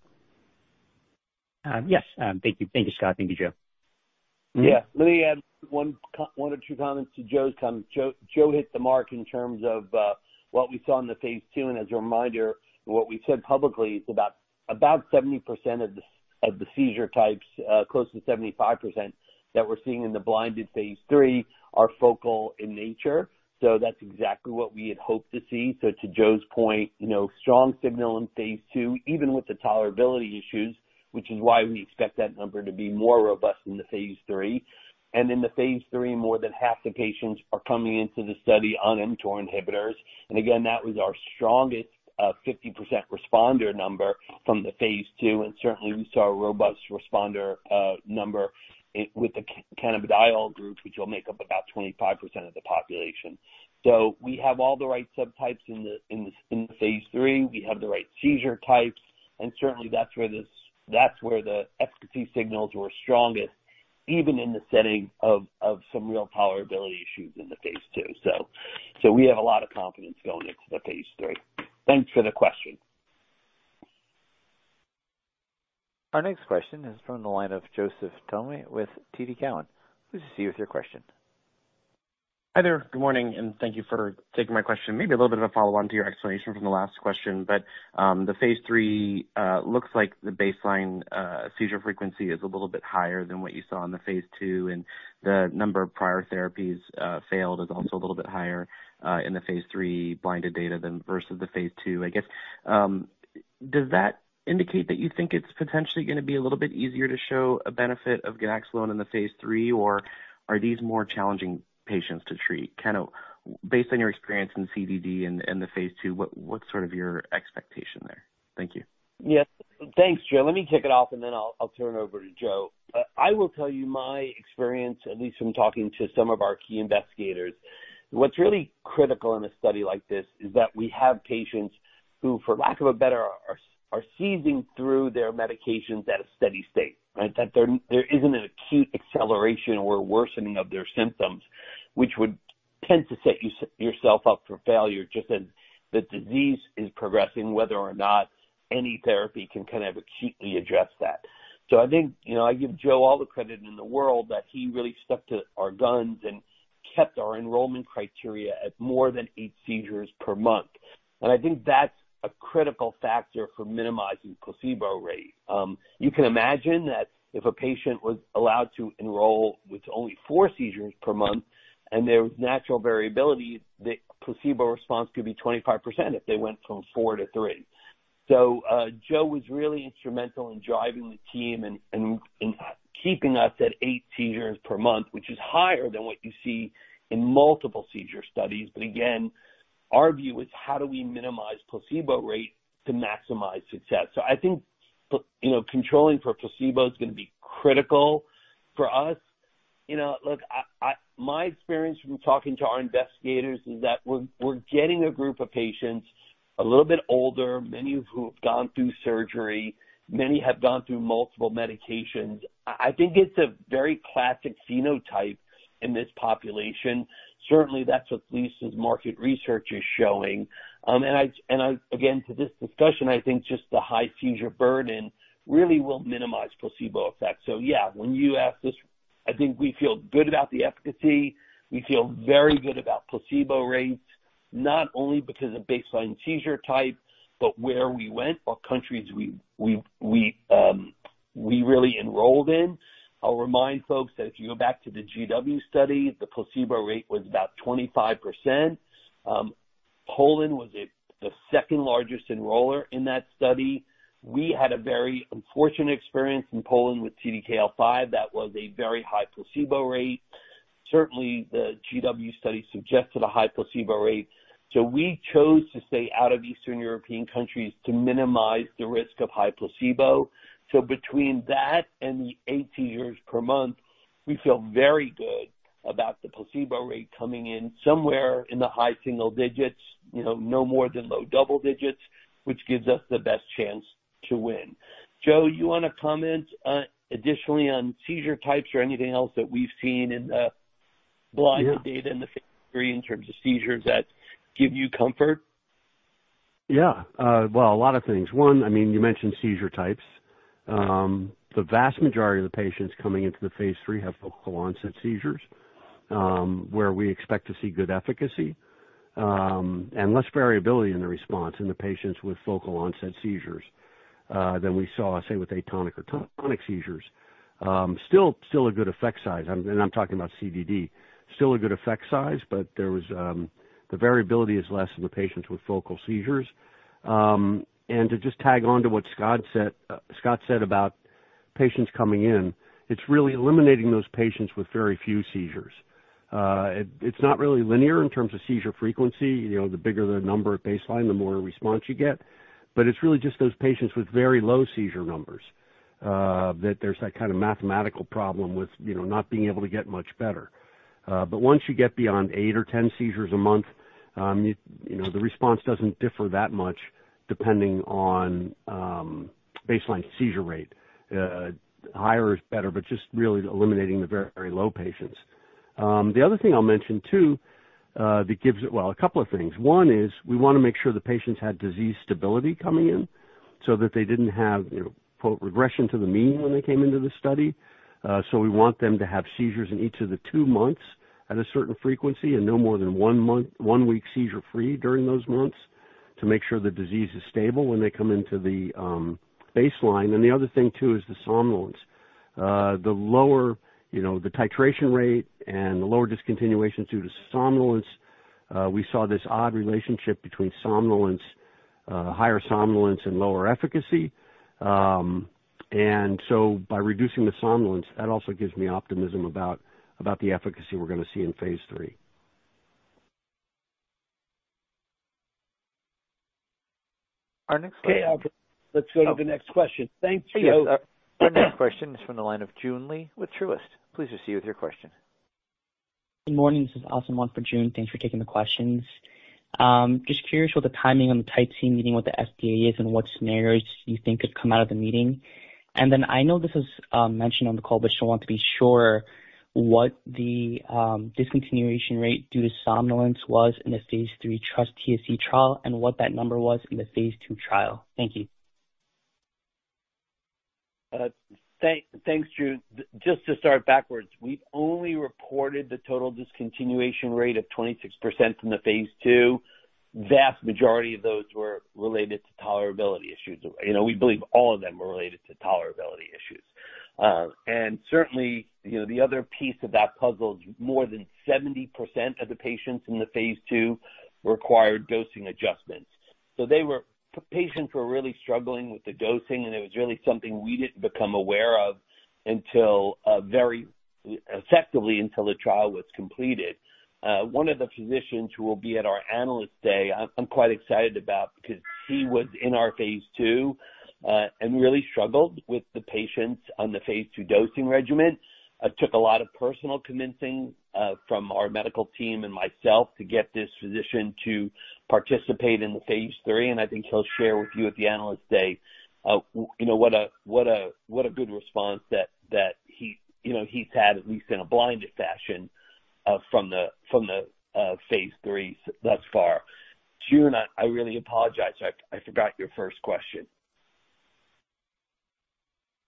Yes. Thank you. Thank you, Scott. Thank you, Joe. Yeah. Let me add one or two comments to Joe's. Joe hit the mark in terms of what we saw in the phase II. And as a reminder, what we said publicly is about 70% of the seizure types, close to 75%, that we're seeing in the blinded phase III, are focal in nature. So that's exactly what we had hoped to see. So to Joe's point, you know, strong signal in phase II, even with the tolerability issues, which is why we expect that number to be more robust in the phase III. And in the phase III, more than half the patients are coming into the study on mTOR inhibitors. Again, that was our strongest 50% responder number from the phase II, and certainly we saw a robust responder number in the cannabidiol group, which will make up about 25% of the population. So we have all the right subtypes in the phase III. We have the right seizure types, and certainly that's where the efficacy signals were strongest, even in the setting of some real tolerability issues in the phase II. So we have a lot of confidence going into the phase III. Thanks for the question. Our next question is from the line of Joseph Thome with TD Cowen. Please proceed with your question. Hi there, good morning, and thank you for taking my question. Maybe a little bit of a follow-on to your explanation from the last question, but, the phase III looks like the baseline seizure frequency is a little bit higher than what you saw in the phase II, and the number of prior therapies failed is also a little bit higher in the phase III blinded data than versus the phase II. I guess, does that indicate that you think it's potentially gonna be a little bit easier to show a benefit of ganaxolone in the phase III, or are these more challenging patients to treat? Kind of based on your experience in the CDD and the phase II, what's sort of your expectation there? Thank you. Yes. Thanks, Joe. Let me kick it off, and then I'll turn it over to Joe. I will tell you my experience, at least from talking to some of our key investigators. What's really critical in a study like this is that we have patients who, for lack of a better, are seizing through their medications at a steady state, right? That there isn't an acute acceleration or worsening of their symptoms, which would tend to set yourself up for failure, just as the disease is progressing, whether or not any therapy can kind of acutely address that. So I think, you know, I give Joe all the credit in the world, that he really stuck to our guns and kept our enrollment criteria at more than eight seizures per month. And I think that's a critical factor for minimizing placebo rate. You can imagine that if a patient was allowed to enroll with only 4 seizures per month, and there was natural variability, the placebo response could be 25% if they went from 4 to 3. So, Joe was really instrumental in driving the team and keeping us at 8 seizures per month, which is higher than what you see in multiple seizure studies. But again, our view is how do we minimize placebo rate to maximize success? So I think, you know, controlling for placebo is gonna be critical for us. You know, look, I, my experience from talking to our investigators is that we're getting a group of patients a little bit older, many of who have gone through surgery, many have gone through multiple medications. I think it's a very classic phenotype in this population. Certainly, that's what Lisa's market research is showing. Again, to this discussion, I think just the high seizure burden really will minimize placebo effect. So yeah, when you ask this, I think we feel good about the efficacy. We feel very good about placebo rates, not only because of baseline seizure type, but where we went, what countries we really enrolled in. I'll remind folks that if you go back to the GW study, the placebo rate was about 25%. Poland was the second largest enroller in that study. We had a very unfortunate experience in Poland with CDKL5, that was a very high placebo rate. Certainly, the GW study suggested a high placebo rate, so we chose to stay out of Eastern European countries to minimize the risk of high placebo. So between that and the 18 years per month, we feel very good about the placebo rate coming in somewhere in the high single digits, you know, no more than low double digits, which gives us the best chance to win. Joe, you wanna comment additionally on seizure types or anything else that we've seen in the blind- Yeah. Data in the phase III in terms of seizures that give you comfort? Yeah. Well, a lot of things. One, I mean, you mentioned seizure types. The vast majority of the patients coming into the phase III have focal onset seizures, where we expect to see good efficacy, and less variability in the response in the patients with focal onset seizures, than we saw, say, with atonic or tonic seizures. Still a good effect size, I'm talking about CDD. Still a good effect size, but the variability is less in the patients with focal seizures. And to just tag on to what Scott said, Scott said about patients coming in, it's really eliminating those patients with very few seizures. It's not really linear in terms of seizure frequency. You know, the bigger the number at baseline, the more response you get. But it's really just those patients with very low seizure numbers, that there's that kind of mathematical problem with, you know, not being able to get much better. But once you get beyond 8 or 10 seizures a month, you know, the response doesn't differ that much depending on baseline seizure rate. Higher is better, but just really eliminating the very, very low patients. The other thing I'll mention, too, that gives it... Well, a couple of things. One is, we wanna make sure the patients had disease stability coming in, so that they didn't have, you know, quote, "regression to the mean" when they came into the study. So we want them to have seizures in each of the two months at a certain frequency, and no more than one month, one week seizure-free during those months, to make sure the disease is stable when they come into the baseline. And the other thing, too, is the somnolence. The lower, you know, the titration rate and the lower discontinuation due to somnolence, we saw this odd relationship between somnolence, higher somnolence and lower efficacy. And so by reducing the somnolence, that also gives me optimism about the efficacy we're gonna see in phase III. Our next question- Okay, let's go to the next question. Thanks, Joe. Our next question is from the line of Joon Lee with Truist. Please proceed with your question. Good morning, this is Allison on for Joon. Thanks for taking the questions. Just curious what the timing on the Type C meeting with the FDA is and what scenarios you think could come out of the meeting? And then I know this is mentioned on the call, but just want to be sure what the discontinuation rate due to somnolence was in the phase III TrustTSC trial, and what that number was in the phase II trial. Thank you. Thanks, Joon. Just to start backwards, we've only reported the total discontinuation rate of 26% from the phase II. Vast majority of those were related to tolerability issues. You know, we believe all of them were related to tolerability issues. And certainly, you know, the other piece of that puzzle is more than 70% of the patients in the phase II required dosing adjustments. So they were, patients were really struggling with the dosing, and it was really something we didn't become aware of until, very effectively, until the trial was completed. One of the physicians who will be at our Analyst Day, I'm quite excited about, because he was in our phase II, and really struggled with the patients on the phase II dosing regimen. Took a lot of personal convincing from our medical team and myself to get this physician to participate in the phase III, and I think he'll share with you at the Analyst Day, you know, what a good response that he, you know, he's had, at least in a blinded fashion, from the phase III thus far. Joon, I really apologize. I forgot your first question.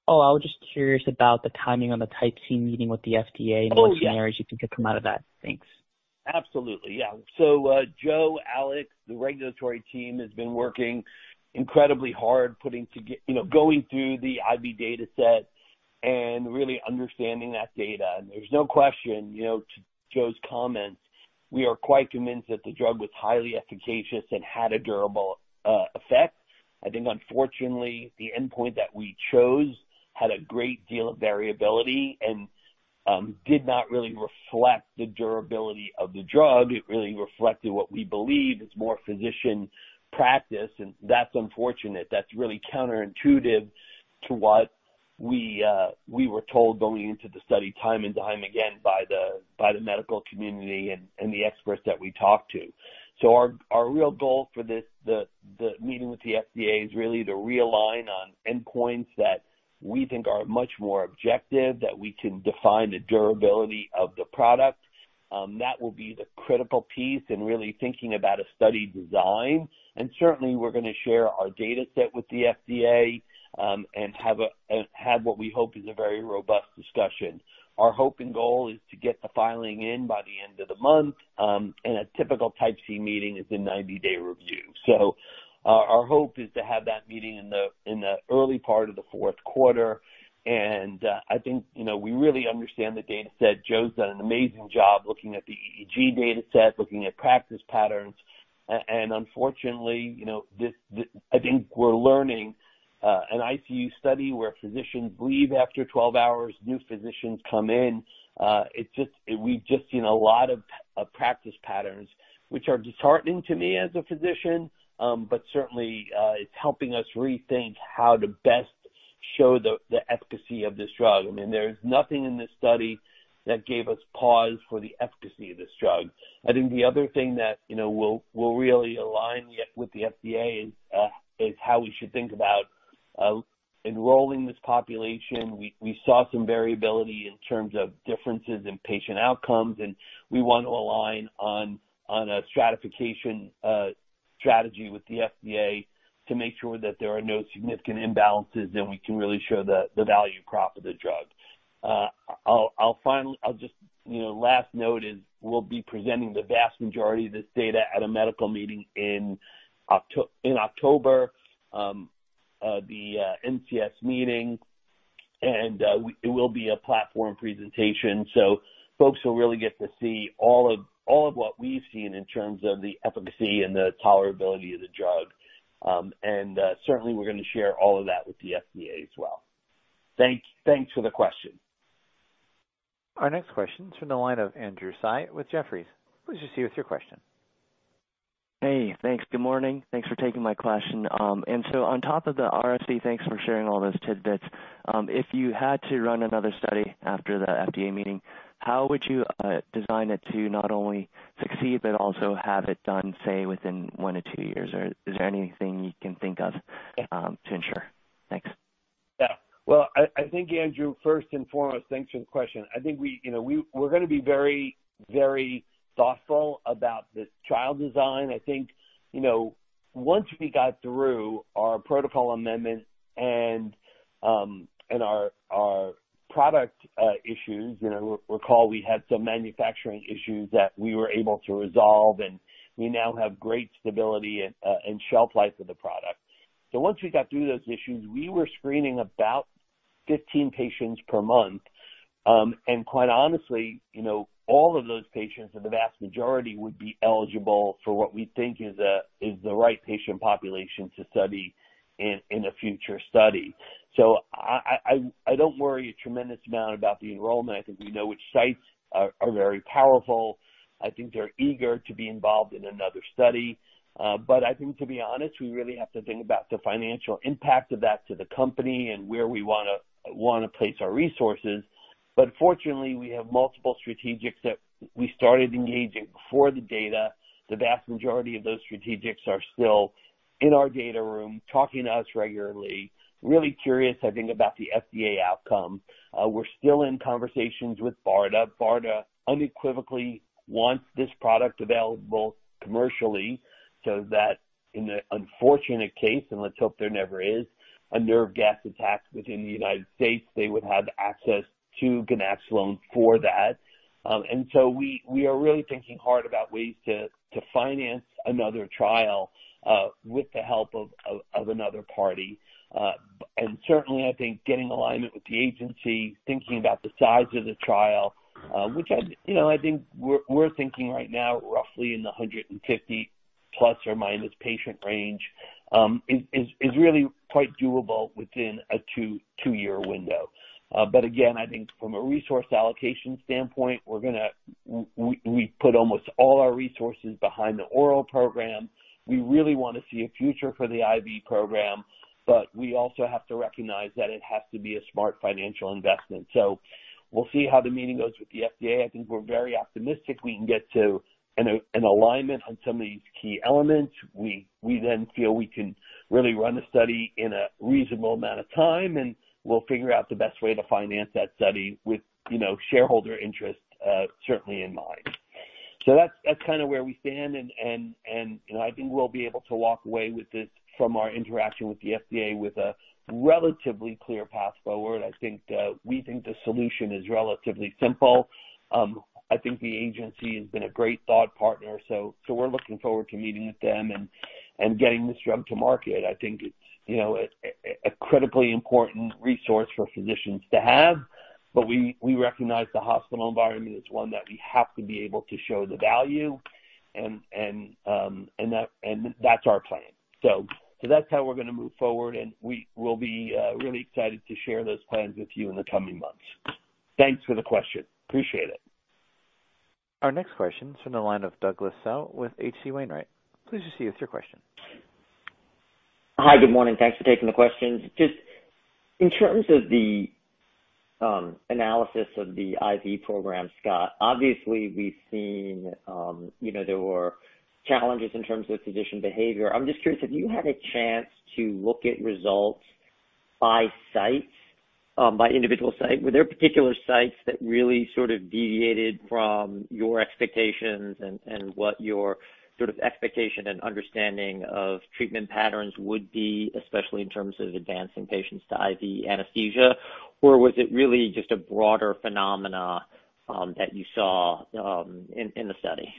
Oh, I was just curious about the timing on the Type C meeting with the FDA? Oh, yes! What scenarios you think could come out of that? Thanks. Absolutely. Yeah. So, Joe, Alex, the regulatory team has been working incredibly hard, putting together... You know, going through the IV dataset and really understanding that data. And there's no question, you know, to Joe's comments, we are quite convinced that the drug was highly efficacious and had a durable, effect. I think unfortunately, the endpoint that we chose had a great deal of variability and, did not really reflect the durability of the drug. It really reflected what we believe is more physician practice, and that's unfortunate. That's really counterintuitive.... to what we, we were told going into the study time and time again by the, by the medical community and, and the experts that we talked to. So our real goal for this meeting with the FDA is really to realign on endpoints that we think are much more objective, that we can define the durability of the product. That will be the critical piece in really thinking about a study design. And certainly we're gonna share our data set with the FDA, and have what we hope is a very robust discussion. Our hope and goal is to get the filing in by the end of the month. And a typical Type C meeting is a 90-day review. So our hope is to have that meeting in the early part of the fourth quarter. And I think, you know, we really understand the data set. Joe's done an amazing job looking at the EEG data set, looking at practice patterns. And unfortunately, you know, I think we're learning an ICU study where physicians leave after 12 hours, new physicians come in. It's just, we've just seen a lot of practice patterns, which are disheartening to me as a physician, but certainly, it's helping us rethink how to best show the efficacy of this drug. I mean, there's nothing in this study that gave us pause for the efficacy of this drug. I think the other thing that, you know, we'll really align with the FDA is how we should think about enrolling this population. We saw some variability in terms of differences in patient outcomes, and we want to align on a stratification strategy with the FDA to make sure that there are no significant imbalances, and we can really show the value prop of the drug. I'll just, you know, last note is we'll be presenting the vast majority of this data at a medical meeting in October, the NCS meeting, and it will be a platform presentation. So folks will really get to see all of what we've seen in terms of the efficacy and the tolerability of the drug. And certainly, we're gonna share all of that with the FDA as well. Thanks for the question. Our next question is from the line of Andrew Tsai with Jefferies. Please proceed with your question. Hey, thanks. Good morning. Thanks for taking my question. And so on top of the RSE, thanks for sharing all those tidbits. If you had to run another study after the FDA meeting, how would you design it to not only succeed but also have it done, say, within 1-2 years? Or is there anything you can think of to ensure? Thanks. Yeah. Well, I think, Andrew, first and foremost, thanks for the question. I think we, you know, we're gonna be very, very thoughtful about this trial design. I think, you know, once we got through our protocol amendment and our product issues, you know, recall we had some manufacturing issues that we were able to resolve, and we now have great stability and shelf life of the product. So once we got through those issues, we were screening about 15 patients per month. And quite honestly, you know, all of those patients, and the vast majority would be eligible for what we think is the right patient population to study in a future study. So I don't worry a tremendous amount about the enrollment. I think we know which sites are very powerful. I think they're eager to be involved in another study. But I think to be honest, we really have to think about the financial impact of that to the company and where we wanna place our resources. But fortunately, we have multiple strategics that we started engaging before the data. The vast majority of those strategics are still in our data room, talking to us regularly. Really curious, I think, about the FDA outcome. We're still in conversations with BARDA. BARDA unequivocally wants this product available commercially, so that in an unfortunate case, and let's hope there never is, a nerve gas attack within the United States, they would have access to ganaxolone for that. And so we are really thinking hard about ways to finance another trial with the help of another party. And certainly, I think getting alignment with the agency, thinking about the size of the trial, which I, you know, I think we're thinking right now roughly in the 150 ± patient range, is really quite doable within a 2-year window. But again, I think from a resource allocation standpoint, we're gonna... We put almost all our resources behind the oral program. We really want to see a future for the IV program, but we also have to recognize that it has to be a smart financial investment. So we'll see how the meeting goes with the FDA. I think we're very optimistic we can get to an alignment on some of these key elements. We then feel we can really run the study in a reasonable amount of time, and we'll figure out the best way to finance that study with, you know, shareholder interest certainly in mind. So that's kind of where we stand, and I think we'll be able to walk away with this from our interaction with the FDA, with a relatively clear path forward. I think we think the solution is relatively simple. I think the agency has been a great thought partner, so we're looking forward to meeting with them and getting this drug to market. I think it's, you know, a critically important resource for physicians to have, but we recognize the hospital environment is one that we have to be able to show the value, and that's our plan. So, so that's how we're gonna move forward, and we will be, really excited to share those plans with you in the coming months. Thanks for the question. Appreciate it. Our next question is from the line of Douglas Tsao with H.C. Wainwright. Please proceed with your question. Hi, good morning. Thanks for taking the questions. Just in terms of the analysis of the IV program, Scott, obviously, we've seen, you know, there were challenges in terms of physician behavior. I'm just curious, have you had a chance to look at results by sites, by individual site? Were there particular sites that really sort of deviated from your expectations and what your sort of expectation and understanding of treatment patterns would be, especially in terms of advancing patients to IV anesthesia? Or was it really just a broader phenomena that you saw in the study?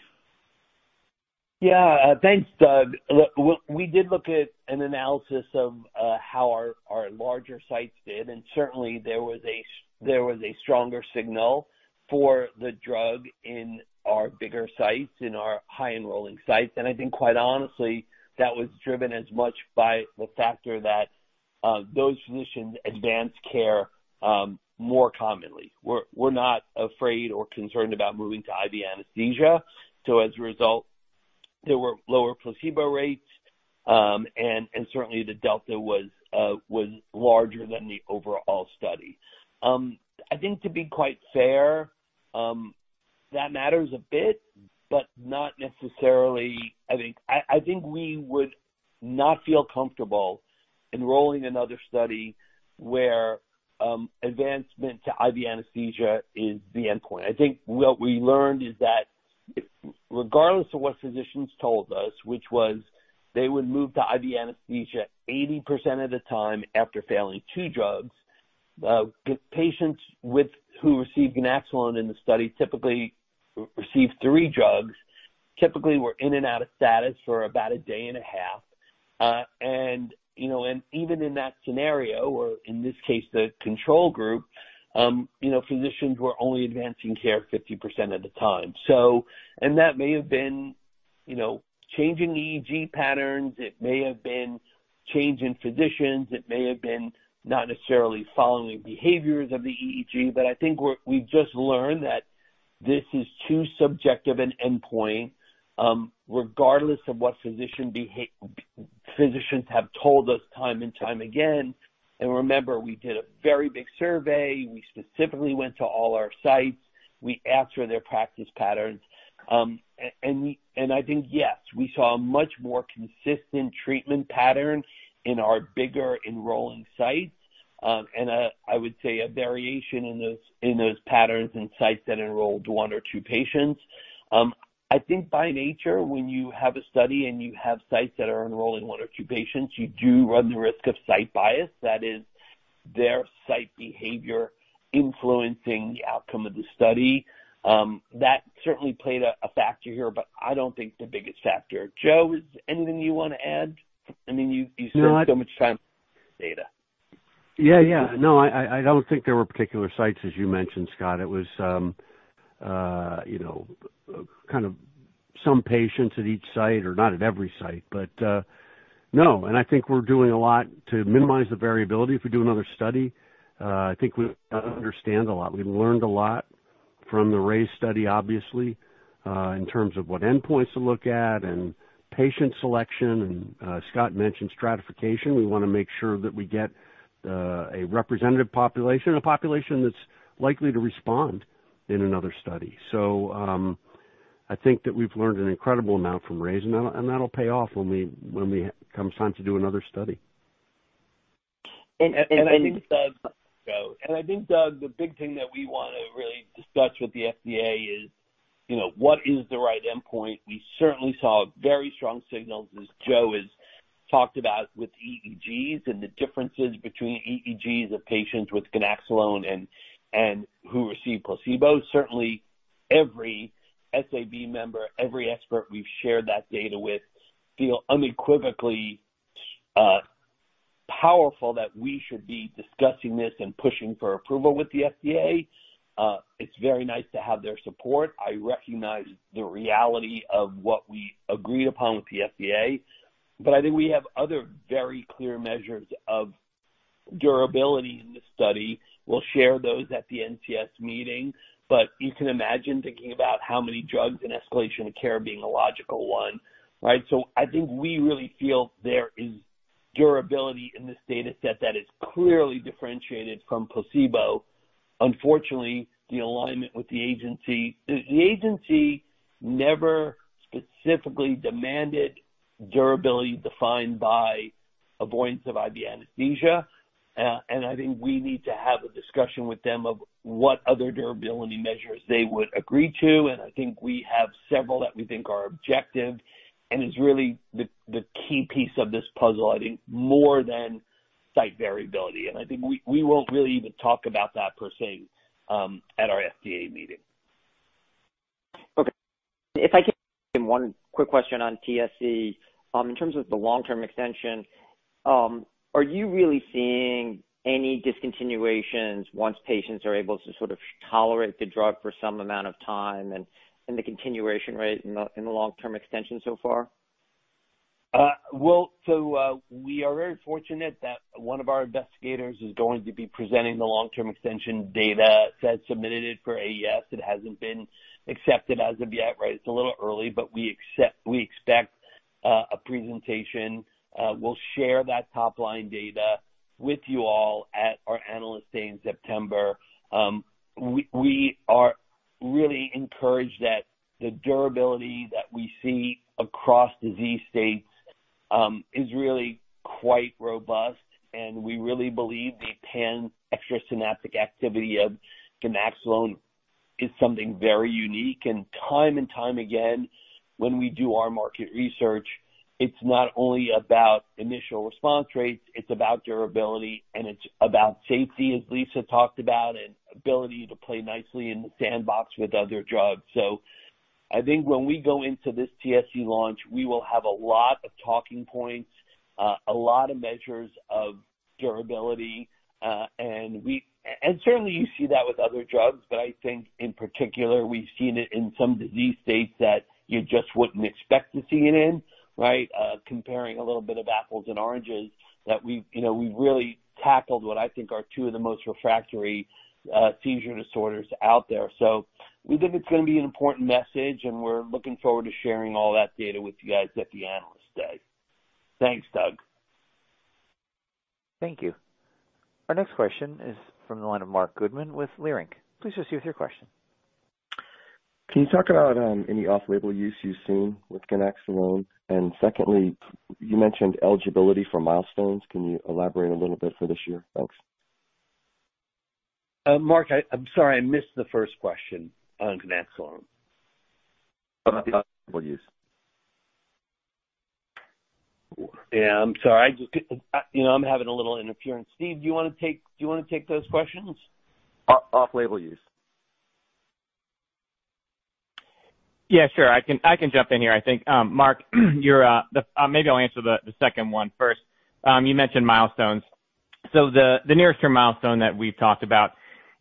Yeah, thanks, Doug. Look, we did look at an analysis of how our larger sites did, and certainly, there was a stronger signal for the drug in our bigger sites, in our high enrolling sites. And I think, quite honestly, that was driven as much by the factor that those physicians advanced care more commonly. We're not afraid or concerned about moving to IV anesthesia. So as a result, there were lower placebo rates, and certainly the delta was larger than the overall study. I think to be quite fair, that matters a bit, but not necessarily... I think we would not feel comfortable enrolling another study where advancement to IV anesthesia is the endpoint. I think what we learned is that if, regardless of what physicians told us, which was they would move to IV anesthesia 80% of the time after failing 2 drugs, patients who received ganaxolone in the study typically received 3 drugs, typically were in and out of status for about a day and a half. And, you know, and even in that scenario, or in this case, the control group, you know, physicians were only advancing care 50% of the time. So, and that may have been, you know, changing EEG patterns. It may have been change in physicians. It may have been not necessarily following behaviors of the EEG, but I think we've just learned that this is too subjective an endpoint, regardless of what physicians have told us time and time again. Remember, we did a very big survey. We specifically went to all our sites. We asked for their practice patterns. And I think, yes, we saw a much more consistent treatment pattern in our bigger enrolling sites. And I would say a variation in those patterns in sites that enrolled one or two patients. I think by nature, when you have a study and you have sites that are enrolling one or two patients, you do run the risk of site bias. That is, their site behavior influencing the outcome of the study. That certainly played a factor here, but I don't think the biggest factor. Joe, is anything you wanna add? I mean, you spent so much time on data. Yeah, yeah. No, I don't think there were particular sites, as you mentioned, Scott. It was, you know, kind of some patients at each site or not at every site, but no. And I think we're doing a lot to minimize the variability if we do another study. I think we understand a lot. We've learned a lot from the RAISE study, obviously, in terms of what endpoints to look at and patient selection, and Scott mentioned stratification. We wanna make sure that we get a representative population, a population that's likely to respond in another study. So, I think that we've learned an incredible amount from RAISE, and that'll pay off when it comes time to do another study. And I think, Doug, the big thing that we want to really discuss with the FDA is, you know, what is the right endpoint? We certainly saw very strong signals, as Joe has talked about with EEGs and the differences between EEGs of patients with ganaxolone and who received placebo. Certainly, every SAB member, every expert we've shared that data with, feel unequivocally powerful that we should be discussing this and pushing for approval with the FDA. It's very nice to have their support. I recognize the reality of what we agreed upon with the FDA, but I think we have other very clear measures of durability in the study. We'll share those at the NCS meeting, but you can imagine thinking about how many drugs and escalation of care being a logical one, right? I think we really feel there is durability in this data set that is clearly differentiated from placebo. Unfortunately, the alignment with the agency, the agency never specifically demanded durability defined by avoidance of IV anesthesia, and I think we need to have a discussion with them of what other durability measures they would agree to. I think we have several that we think are objective, and it's really the key piece of this puzzle, I think, more than site variability. I think we won't really even talk about that per se at our FDA meeting. Okay. If I can, one quick question on TSC. In terms of the long-term extension, are you really seeing any discontinuations once patients are able to sort of tolerate the drug for some amount of time and the continuation rate in the long-term extension so far? Well, we are very fortunate that one of our investigators is going to be presenting the long-term extension data that we submitted for AES. It hasn't been accepted as of yet, right? It's a little early, but we expect a presentation. We'll share that top-line data with you all at our Analyst Day in September. We are really encouraged that the durability that we see across disease states is really quite robust, and we really believe the pan-extrasynaptic activity of ganaxolone is something very unique. And time and time again, when we do our market research, it's not only about initial response rates, it's about durability, and it's about safety, as Lisa talked about, and ability to play nicely in the sandbox with other drugs. So I think when we go into this TSC launch, we will have a lot of talking points, a lot of measures of durability, and certainly you see that with other drugs, but I think in particular, we've seen it in some disease states that you just wouldn't expect to see it in, right? Comparing a little bit of apples and oranges, that we've, you know, we've really tackled what I think are two of the most refractory, seizure disorders out there. So we think it's gonna be an important message, and we're looking forward to sharing all that data with you guys at the Analyst Day. Thanks, Doug. Thank you. Our next question is from the line of Marc Goodman with Leerink. Please proceed with your question. Can you talk about any off-label use you've seen with ganaxolone? Secondly, you mentioned eligibility for milestones. Can you elaborate a little bit for this year? Thanks. Mark, I'm sorry, I missed the first question on ganaxolone. About the off-label use. Yeah, I'm sorry. I just, you know, I'm having a little interference. Steve, do you wanna take, do you wanna take those questions? Of off-label use? Yeah, sure. I can, I can jump in here, I think. Mark, you're the... Maybe I'll answer the second one first. You mentioned milestones. So the nearest term milestone that we've talked about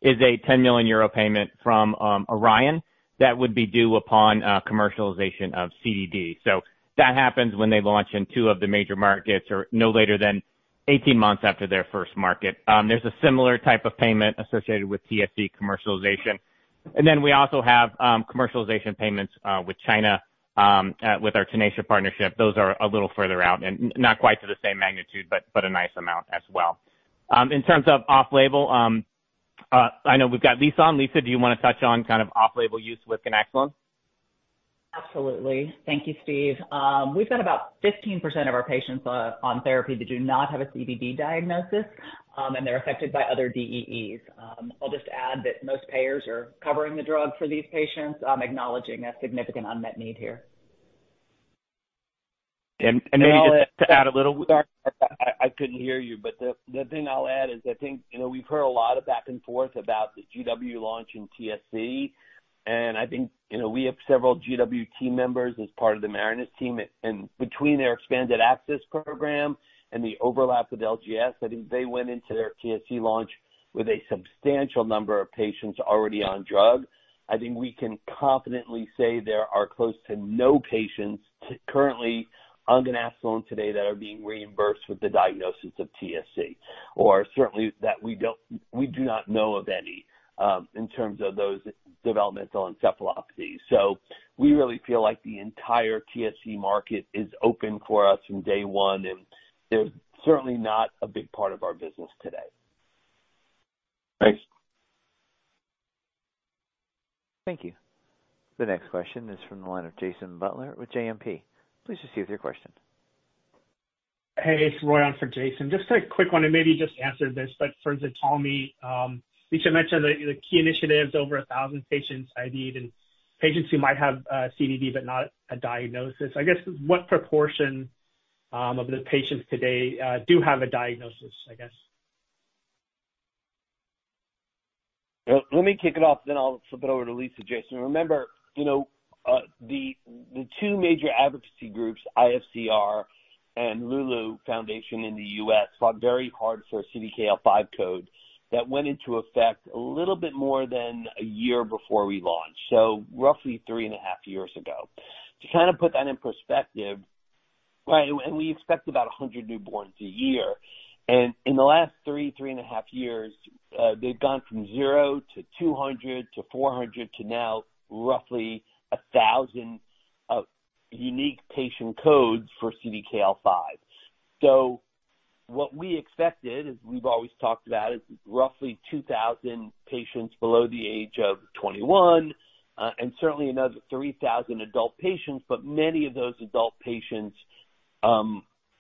is a 10 million euro payment from Orion that would be due upon commercialization of CDD. So that happens when they launch in 2 of the major markets or no later than 18 months after their first market. There's a similar type of payment associated with TSC commercialization. And then we also have commercialization payments with China with our Tenacia partnership. Those are a little further out and not quite to the same magnitude, but a nice amount as well. In terms of off-label, I know we've got Lisa on. Lisa, do you wanna touch on kind of off-label use with ganaxolone? Absolutely. Thank you, Steve. We've got about 15% of our patients on therapy that do not have a CDD diagnosis, and they're affected by other DEEs. I'll just add that most payers are covering the drug for these patients, acknowledging a significant unmet need here. Maybe just to add a little- I couldn't hear you, but the thing I'll add is I think, you know, we've heard a lot of back and forth about the GW launch in TSC, and I think, you know, we have several GW team members as part of the Marinus team. And between their expanded access program and the overlap with LGS, I think they went into their TSC launch with a substantial number of patients already on drug. I think we can confidently say there are close to no patients currently on ganaxolone today that are being reimbursed with the diagnosis of TSC, or certainly that we don't-- we do not know of any, in terms of those developmental encephalopathies. So we really feel like the entire TSC market is open for us from day one, and they're certainly not a big part of our business today. Thanks. Thank you. The next question is from the line of Jason Butler with JMP. Please proceed with your question. Hey, it's Roy on for Jason. Just a quick one, and maybe you just answered this, but for ZTALMY, Lisa mentioned that the key initiatives, over 1,000 patients, IVIG, and patients who might have, CDD, but not a diagnosis. I guess, what proportion, of the patients today, do have a diagnosis, I guess? Let me kick it off, then I'll flip it over to Lisa, Jason. Remember, you know, the two major advocacy groups, IFCR and Loulou Foundation in the U.S., fought very hard for a CDKL5 code that went into effect a little bit more than a year before we launched, so roughly 3.5 years ago. To kind of put that in perspective, right, and we expect about 100 newborns a year. And in the last 3.5 years, they've gone from 0 to 200 to 400 to now roughly 1,000 unique patient codes for CDKL5. So what we expected, as we've always talked about, is roughly 2,000 patients below the age of 21, and certainly another 3,000 adult patients, but many of those adult patients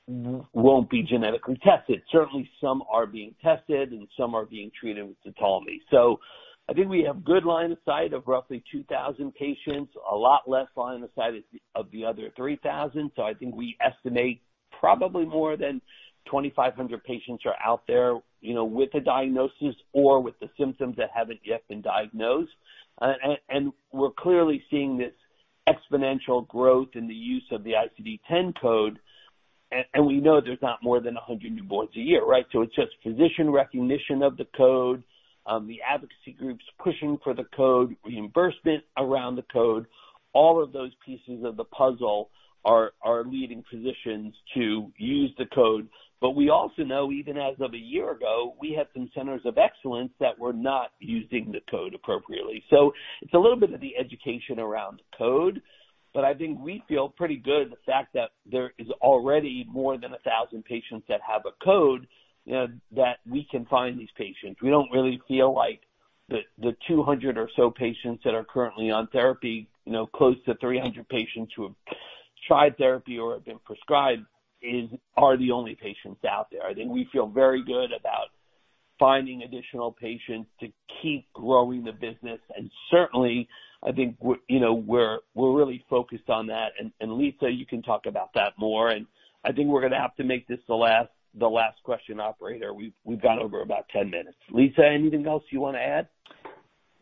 won't be genetically tested. Certainly, some are being tested and some are being treated with ZTALMY. So I think we have good line of sight of roughly 2,000 patients, a lot less line of sight of the other 3,000. So I think we estimate probably more than 2,500 patients are out there, you know, with a diagnosis or with the symptoms that haven't yet been diagnosed. And we're clearly seeing this exponential growth in the use of the ICD10 code. And we know there's not more than 100 newborns a year, right? So it's just physician recognition of the code, the advocacy groups pushing for the code, reimbursement around the code. All of those pieces of the puzzle are leading physicians to use the code. But we also know, even as of a year ago, we had some centers of excellence that were not using the code appropriately. So it's a little bit of the education around the code, but I think we feel pretty good the fact that there is already more than 1,000 patients that have a code, that we can find these patients. We don't really feel like the, the 200 or so patients that are currently on therapy, you know, close to 300 patients who have tried therapy or have been prescribed, are the only patients out there. I think we feel very good about finding additional patients to keep growing the business. And certainly, I think we're, you know, we're, we're really focused on that. Lisa, you can talk about that more, and I think we're gonna have to make this the last question, operator. We've gone over about 10 minutes. Lisa, anything else you wanna add?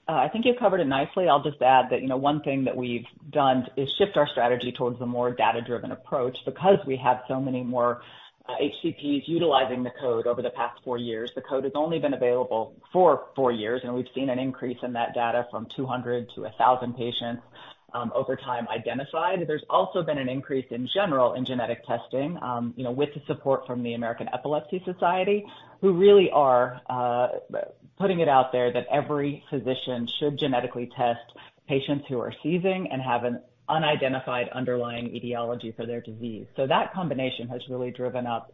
I think you've covered it nicely. I'll just add that, you know, one thing that we've done is shift our strategy towards a more data-driven approach, because we have so many more HCPs utilizing the code over the past four years. The code has only been available for four years, and we've seen an increase in that data from 200 to 1,000 patients over time, identified. There's also been an increase in general in genetic testing, you know, with the support from the American Epilepsy Society, who really are putting it out there, that every physician should genetically test patients who are seizing and have an unidentified underlying etiology for their disease. So that combination has really driven up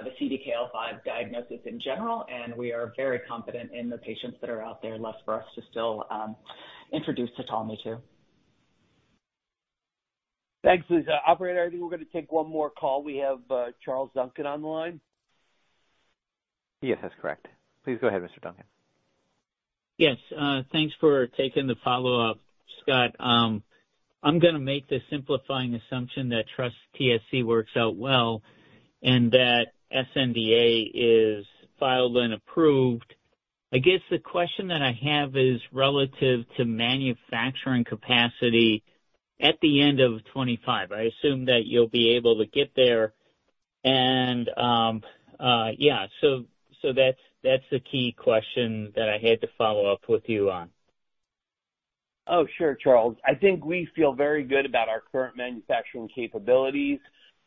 the CDKL5 diagnosis in general, and we are very confident in the patients that are out there left for us to still introduce ZTALMY to. Thanks, Lisa. Operator, I think we're gonna take one more call. We have, Charles Duncan on the line. Yes, that's correct. Please go ahead, Mr. Duncan. Yes, thanks for taking the follow-up, Scott. I'm gonna make the simplifying assumption that TrustTSC works out well, and that sNDA is filed and approved. I guess the question that I have is relative to manufacturing capacity at the end of 2025. I assume that you'll be able to get there, and, yeah, so that's the key question that I had to follow up with you on. Oh, sure, Charles. I think we feel very good about our current manufacturing capabilities,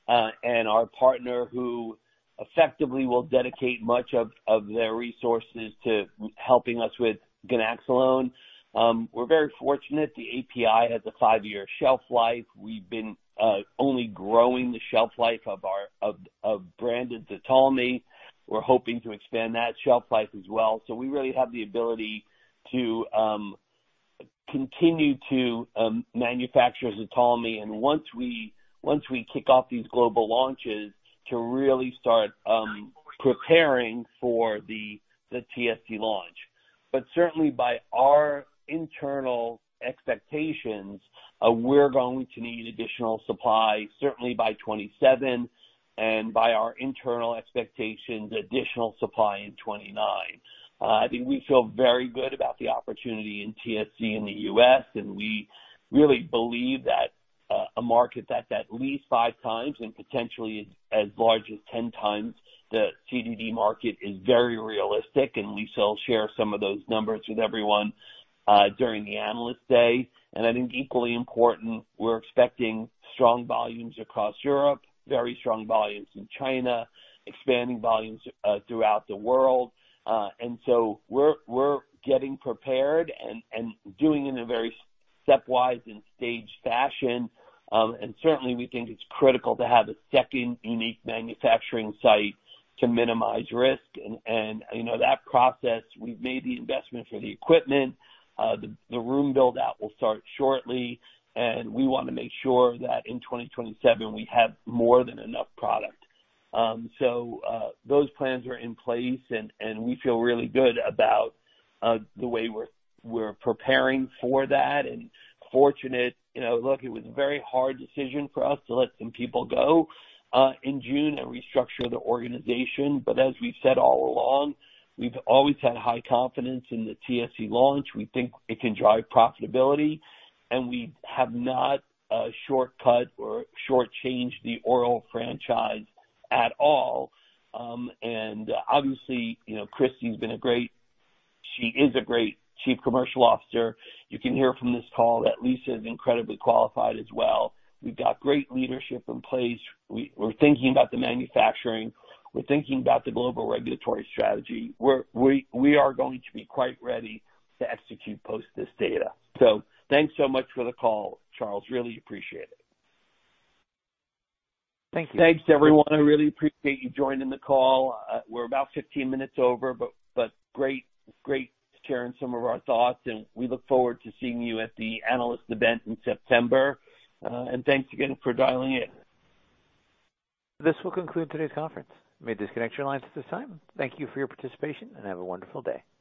and our partner, who effectively will dedicate much of their resources to helping us with ganaxolone. We're very fortunate the API has a 5-year shelf life. We've been only growing the shelf life of our branded ZTALMY. We're hoping to extend that shelf life as well. So we really have the ability to continue to manufacture ZTALMY, and once we kick off these global launches, to really start preparing for the TSC launch. But certainly by our internal expectations, we're going to need additional supply, certainly by 2027, and by our internal expectations, additional supply in 2029. I think we feel very good about the opportunity in TSC in the U.S., and we really believe that a market that's at least 5x and potentially as large as 10x the CDD market is very realistic, and Lisa will share some of those numbers with everyone during the Analyst Day. And I think equally important, we're expecting strong volumes across Europe, very strong volumes in China, expanding volumes throughout the world. so we're getting prepared and doing it in a very stepwise and staged fashion. certainly we think it's critical to have a second unique manufacturing site to minimize risk. And you know, that process, we've made the investment for the equipment. the room build-out will start shortly, and we want to make sure that in 2027, we have more than enough product. So, those plans are in place, and we feel really good about the way we're preparing for that, and fortunate. You know, look, it was a very hard decision for us to let some people go in June and restructure the organization. But as we've said all along, we've always had high confidence in the TSC launch. We think it can drive profitability, and we have not shortcut or shortchanged the oral franchise at all. And obviously, you know, Christy's been a great—she is a great Chief Commercial Officer. You can hear from this call that Lisa is incredibly qualified as well. We've got great leadership in place. We're thinking about the manufacturing. We're thinking about the global regulatory strategy. We are going to be quite ready to execute post this data. Thanks so much for the call, Charles. Really appreciate it. Thanks, everyone. I really appreciate you joining the call. We're about 15 minutes over, but great sharing some of our thoughts, and we look forward to seeing you at the analyst event in September. And thanks again for dialing in. This will conclude today's conference. You may disconnect your lines at this time. Thank you for your participation, and have a wonderful day.